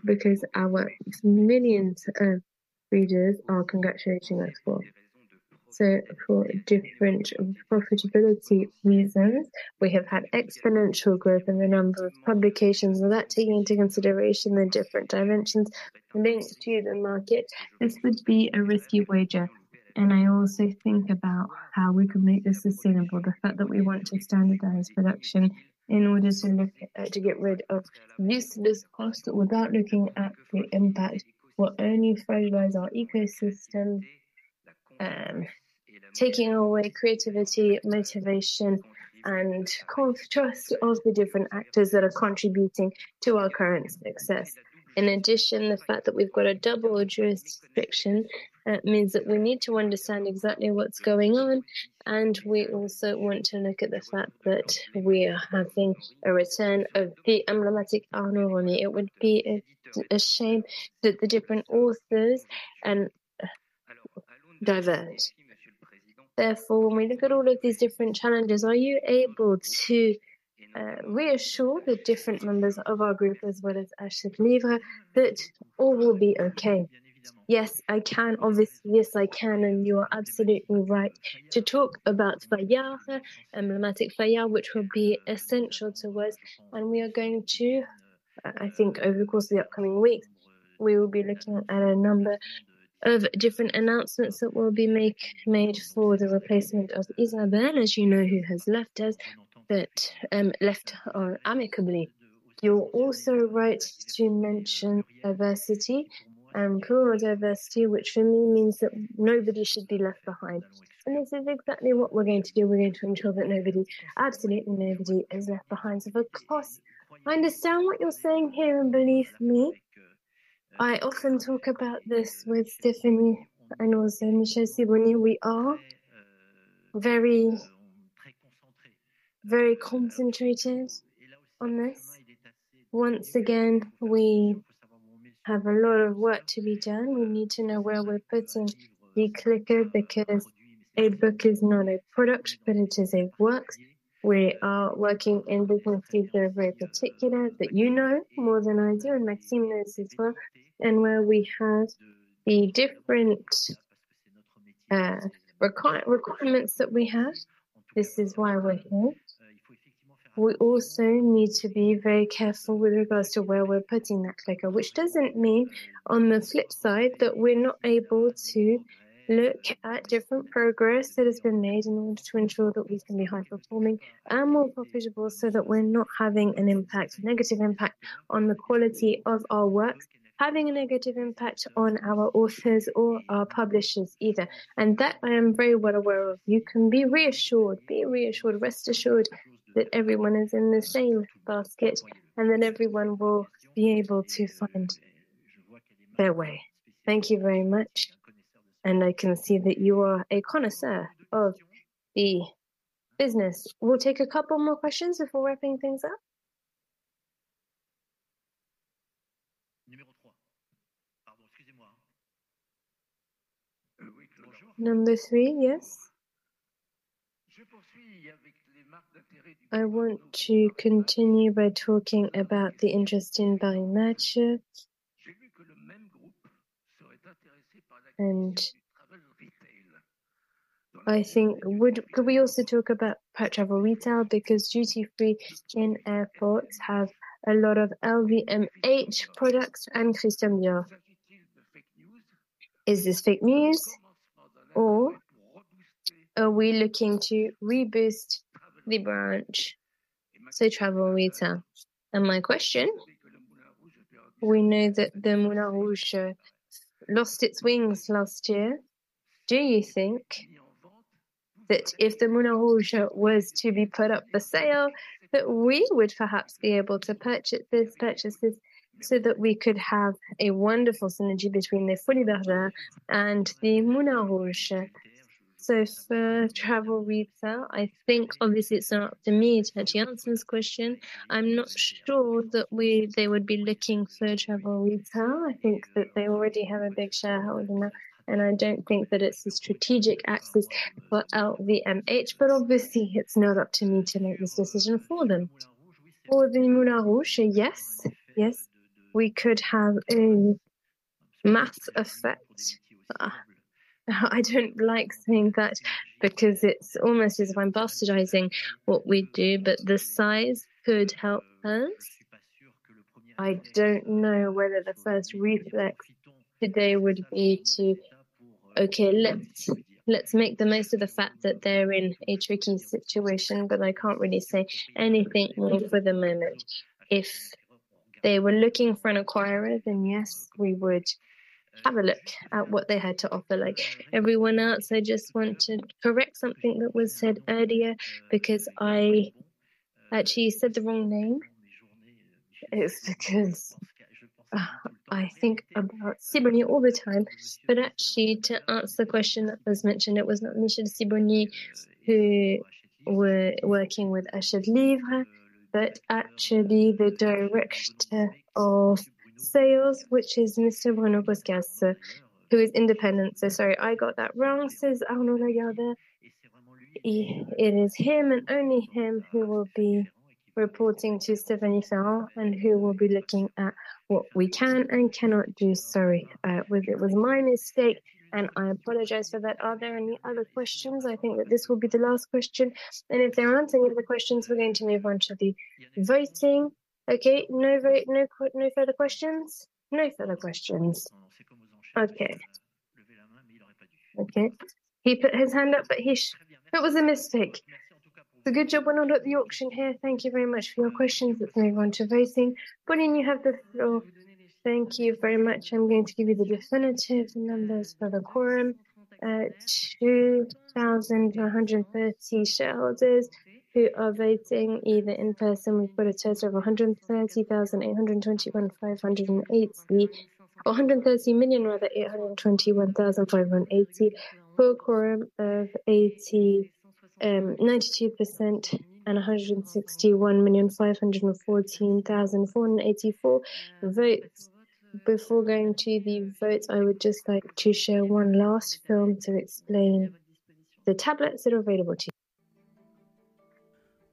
Because our millions of readers are congratulating us for. So for different profitability reasons, we have had exponential growth in the number of publications. Without taking into consideration the different dimensions linked to the market, this would be a risky wager. I also think about how we could make this sustainable. The fact that we want to standardize production in order to look at to get rid of useless cost without looking at the impact will only disfavor our ecosystem, taking away creativity, motivation, and lose trust of the different actors that are contributing to our current success. In addition, the fact that we've got a double jurisdiction means that we need to understand exactly what's going on, and we also want to look at the fact that we are having a return of the emblematic anomaly. It would be a shame that the different authors diverge. Therefore, when we look at all of these different challenges, are you able to reassure the different members of our group as well as Hachette Livre that all will be okay? Yes, I can, obviously. Yes, I can, and you are absolutely right to talk about Fayard, emblematic Fayard, which will be essential to us, and we are going to, I think over the course of the upcoming weeks, we will be looking at a number of different announcements that will be made for the replacement of Isabelle, as you know, who has left us, but left amicably. You're also right to mention diversity, core diversity, which for me means that nobody should be left behind. And this is exactly what we're going to do. We're going to ensure that nobody, absolutely nobody, is left behind. So of course, I understand what you're saying here, and believe me, I often talk about this with Stéphanie and also Michel Sibony. We are very, very concentrated on this. Once again, we have a lot of work to be done. We need to know where we're putting the clicker, because a book is not a product, but it is a work. We are working in businesses that are very particular, that you know more than I do, and Maxime knows as well, and where we have the different requirements that we have. This is why we're here. We also need to be very careful with regards to where we're putting that clicker, which doesn't mean, on the flip side, that we're not able to look at different progress that has been made in order to ensure that we can be high performing and more profitable, so that we're not having an impact, a negative impact on the quality of our work. Having a negative impact on our authors or our publishers either, and that I am very well aware of. You can be reassured, be reassured, rest assured that everyone is in the same basket, and that everyone will be able to find their way. Thank you very much, and I can see that you are a connoisseur of the business. We'll take a couple more questions before wrapping things up. Number 3, yes? I want to continue by talking about the interest in buying merchant. And I think... Would-- Could we also talk about travel retail? Because duty-free in airports have a lot of LVMH products and Christian Dior. Is this fake news, or are we looking to reboost the branch? So travel retail. And my question: we know that the Moulin Rouge lost its wings last year. Do you think that if the Moulin Rouge was to be put up for sale, that we would perhaps be able to purchase this, purchase this, so that we could have a wonderful synergy between the Folies Bergère and the Moulin Rouge? So for travel retail, I think obviously it's not up to me to answer this question. I'm not sure that we-- they would be looking for travel retail. I think that they already have a big shareholding, and I don't think that it's a strategic axis for LVMH, but obviously it's not up to me to make this decision for them. For the Moulin Rouge, yes. Yes, we could have a mass effect. I don't like saying that because it's almost as if I'm bastardizing what we do, but the size could help us. I don't know whether the first reflex today would be to... Okay, let's make the most of the fact that they're in a tricky situation, but I can't really say anything more for the moment. If they were looking for an acquirer, then yes, we would have a look at what they had to offer, like everyone else. I just want to correct something that was said earlier, because I actually said the wrong name. It's because I think about Sibony all the time, but actually, to answer the question that was mentioned, it was not Michel Sibony who were working with Hachette Livre, but actually the director of sales, which is Mr. Bruno Bosc, who is independent. So sorry, I got that wrong, says Arnaud Riou. It is him and only him, who will be reporting to Stéphanie Ferran, and who will be looking at what we can and cannot do. Sorry, it was, it was my mistake, and I apologize for that. Are there any other questions? I think that this will be the last question, and if there aren't any other questions, we're going to move on to the voting. Okay, no vote, no further questions? No further questions. Okay. Okay. He put his hand up, but it was a mistake. So good job, well done at the auction here. Thank you very much for your questions. Let's move on to voting. Pauline, you have the floor. Thank you very much. I'm going to give you the definitive numbers for the quorum. 2,130 shareholders who are voting either in person. We've got a total of 130,821,580 -- or 130 million, rather, 821,580, full quorum of 89.2%, and 161,514,484 votes. Before going to the votes, I would just like to share one last film to explain the tablets that are available to you.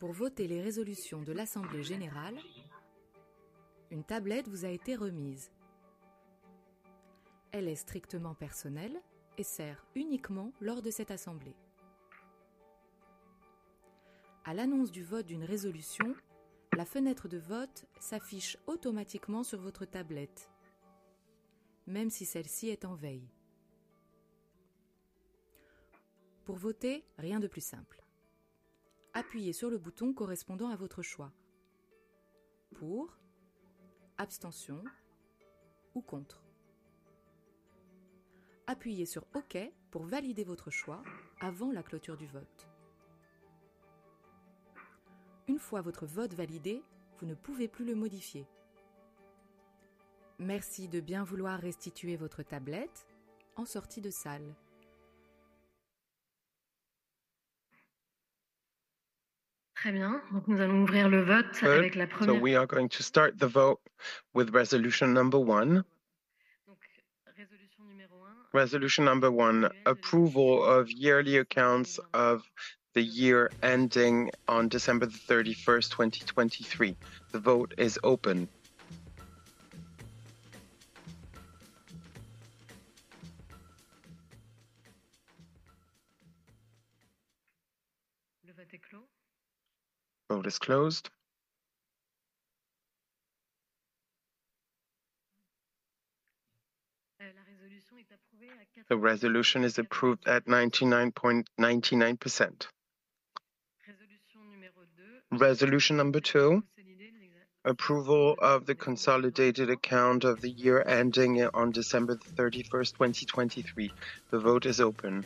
Pour voter les résolutions de l'assemblée générale, une tablette vous a été remise. Elle est strictement personnelle et sert uniquement lors de cette assemblée. À l'annonce du vote d'une résolution, la fenêtre de vote s'affiche automatiquement sur votre tablette, même si celle-ci est en veille. Pour voter, rien de plus simple. Appuyez sur le bouton correspondant à votre choix: pour, abstention ou contre. Appuyez sur OK pour valider votre choix avant la clôture du vote. Une fois votre vote validé, vous ne pouvez plus le modifier. Merci de bien vouloir restituer votre tablette en sortie de salle. Très bien. Donc, nous allons ouvrir le vote avec la première- We are going to start the vote with resolution number one. Donc, résolution numéro 1. Resolution number 1: approval of yearly accounts of the year ending on December 31, 2023. The vote is open. Le vote est clos. Vote is closed. La résolution est approuvée à- The resolution is approved at 99.99%. Résolution numéro 2. Resolution number 2: approval of the consolidated account of the year ending on December 31, 2023. The vote is open.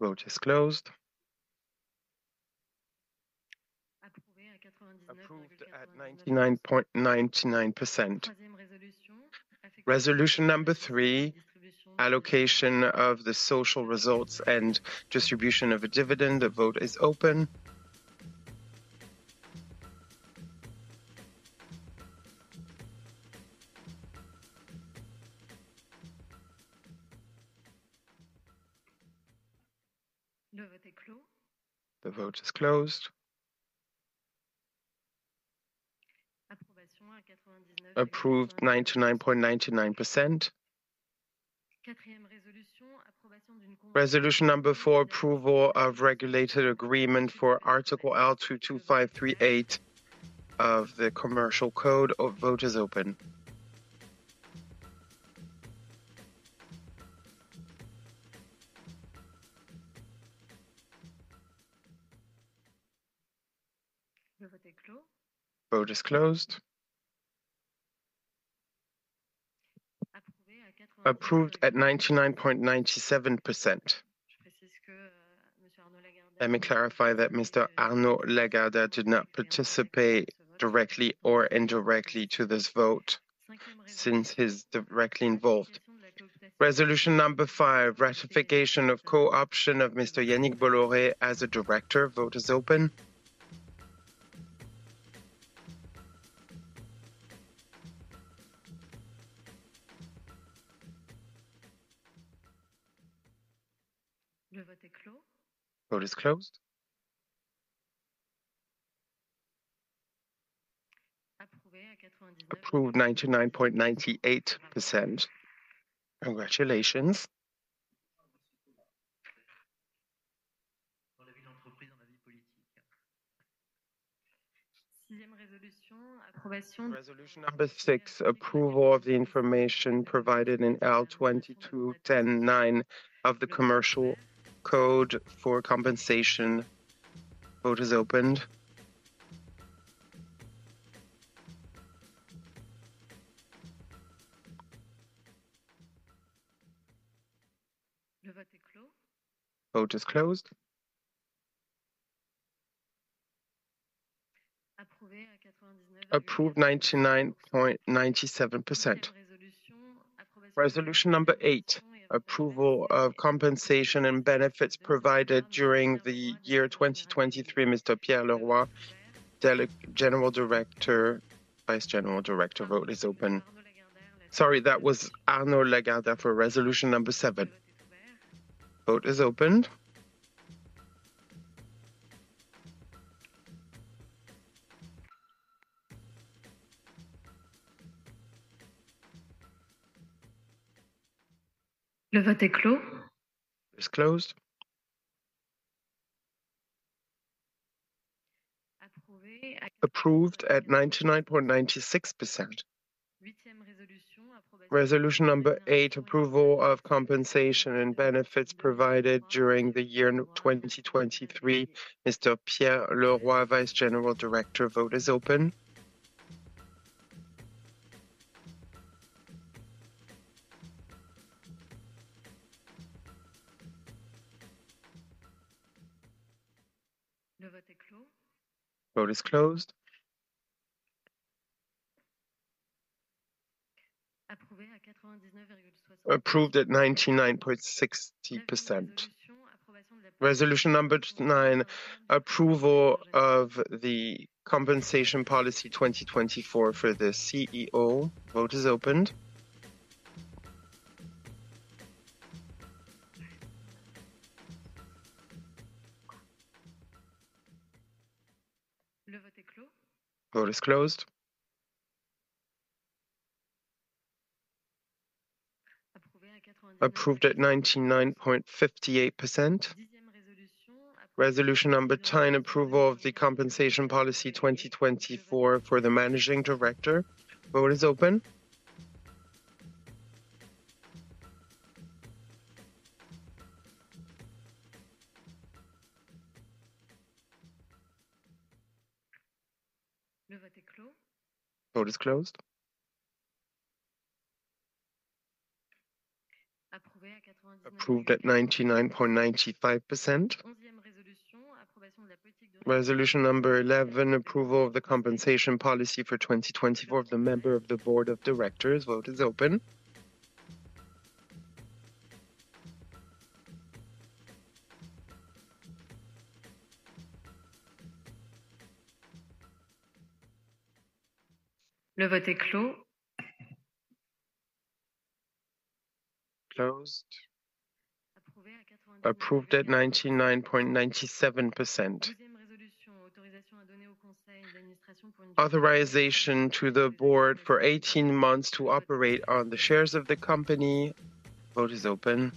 Le vote est clos. Vote is closed. Approuvé à 99 virgule- Approved at 99.99%. Troisième résolution- Resolution number three: allocation of the social results and distribution of a dividend. The vote is open. Le vote est clos. The vote is closed. Approbation à 99- Approved, 99.99%. Quatrième résolution, approbation d'une- Resolution number 4: approval of regulated agreement for Article L. 225-38 of the Commercial Code. Our vote is open. Le vote est clos. Vote is closed. Approuvé à 99- Approved at 99.97%. Je précise que, Monsieur Arnaud Lagardère- Let me clarify that Mr. Arnaud Lagardère did not participate directly or indirectly to this vote, since he's directly involved. Cinquième résolution- Resolution number 5: ratification of co-optation of Mr. Yannick Bolloré as a director. Vote is open. Le vote est clos. Vote is closed. Approuvé à 99- Approved, 99.98%. Congratulations!... Dans la vie d'entreprise, dans la vie politique. Sixième résolution: approbation- Resolution number 6: approval of the information provided in L. 22-10-9 of the Commercial Code for compensation. Vote is opened. Le vote est clos. Vote is closed. Approuvé à 99- Approved, 99.97%. Résolution- Resolution number eight: approval of compensation and benefits provided during the year 2023, Mr. Pierre Leroy, Vice General Director. Vote is open. Arnaud Lagardère- Sorry, that was Arnaud Lagardère for resolution number 7. Vote is opened.... Le vote est clos. Is closed. Approved at 99.96%. Resolution number 8, approval of compensation and benefits provided during the year 2023. Mr. Pierre Leroy, Vice General Director. Vote is open. Le vote est clos. Vote is closed. Approuvé à 99.60- Approved at 99.60%. Resolution number 9, approval of the compensation policy 2024 for the CEO. Vote is opened. Le vote est clos. Vote is closed. Approuvé à 99.58%. Approved at 99.58%. Resolution number 10, approval of the compensation policy 2024 for the managing director. Vote is open. Le vote est clos. Vote is closed. Approuvé à 99.95%. Approved at 99.95%. Onzième résolution, approbation de la... Resolution number 11, approval of the compensation policy for 2024 of the member of the Board of Directors. Vote is open. Le vote est clos. Closed. Approuvé à 99.97%. Approved at 99.97%. Douzième résolution, autorisation à donner au conseil d'administration pour une- Authorization to the board for 18 months to operate on the shares of the company. Vote is open.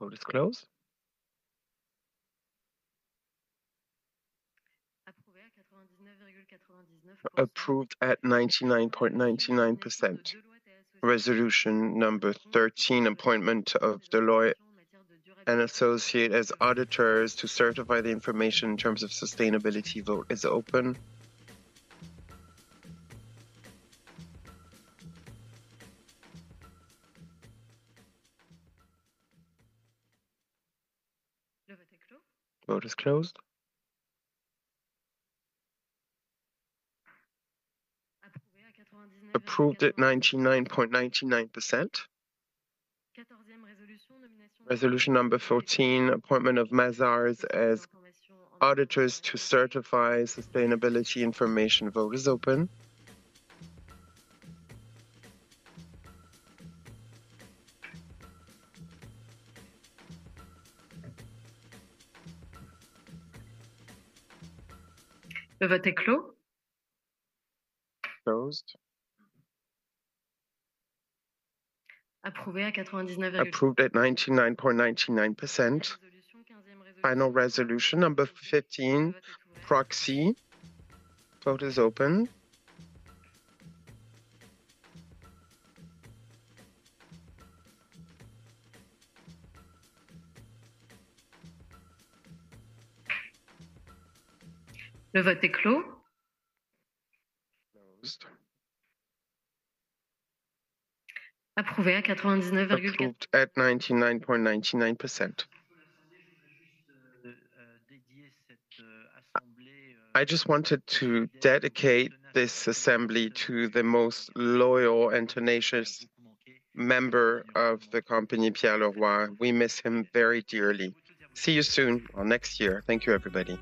Le vote est clos. Vote is closed. Approuvé à 99.99%. Approved at 99.99%. Resolution number 13, appointment of Deloitte and Associates as auditors to certify the information in terms of sustainability. Vote is open. Le vote est clos. Vote is closed. Approuvé à 99.99%. Approved at 99.99%. Quatorzième résolution, nomination- Resolution number 14, appointment of Mazars as auditors to certify sustainability information. Vote is open. Le vote est clos. Closed. Approuvé à 99.99%. Approved at 99.99%. Quinzième résolution- Final resolution number 15, proxy. Vote is open. Le vote est clos. Closed. Approuvé à 99.4- Approved at 99.99%.... I just wanted to dedicate this assembly to the most loyal and tenacious member of the company, Pierre Leroy. We miss him very dearly. See you soon or next year. Thank you, everybody.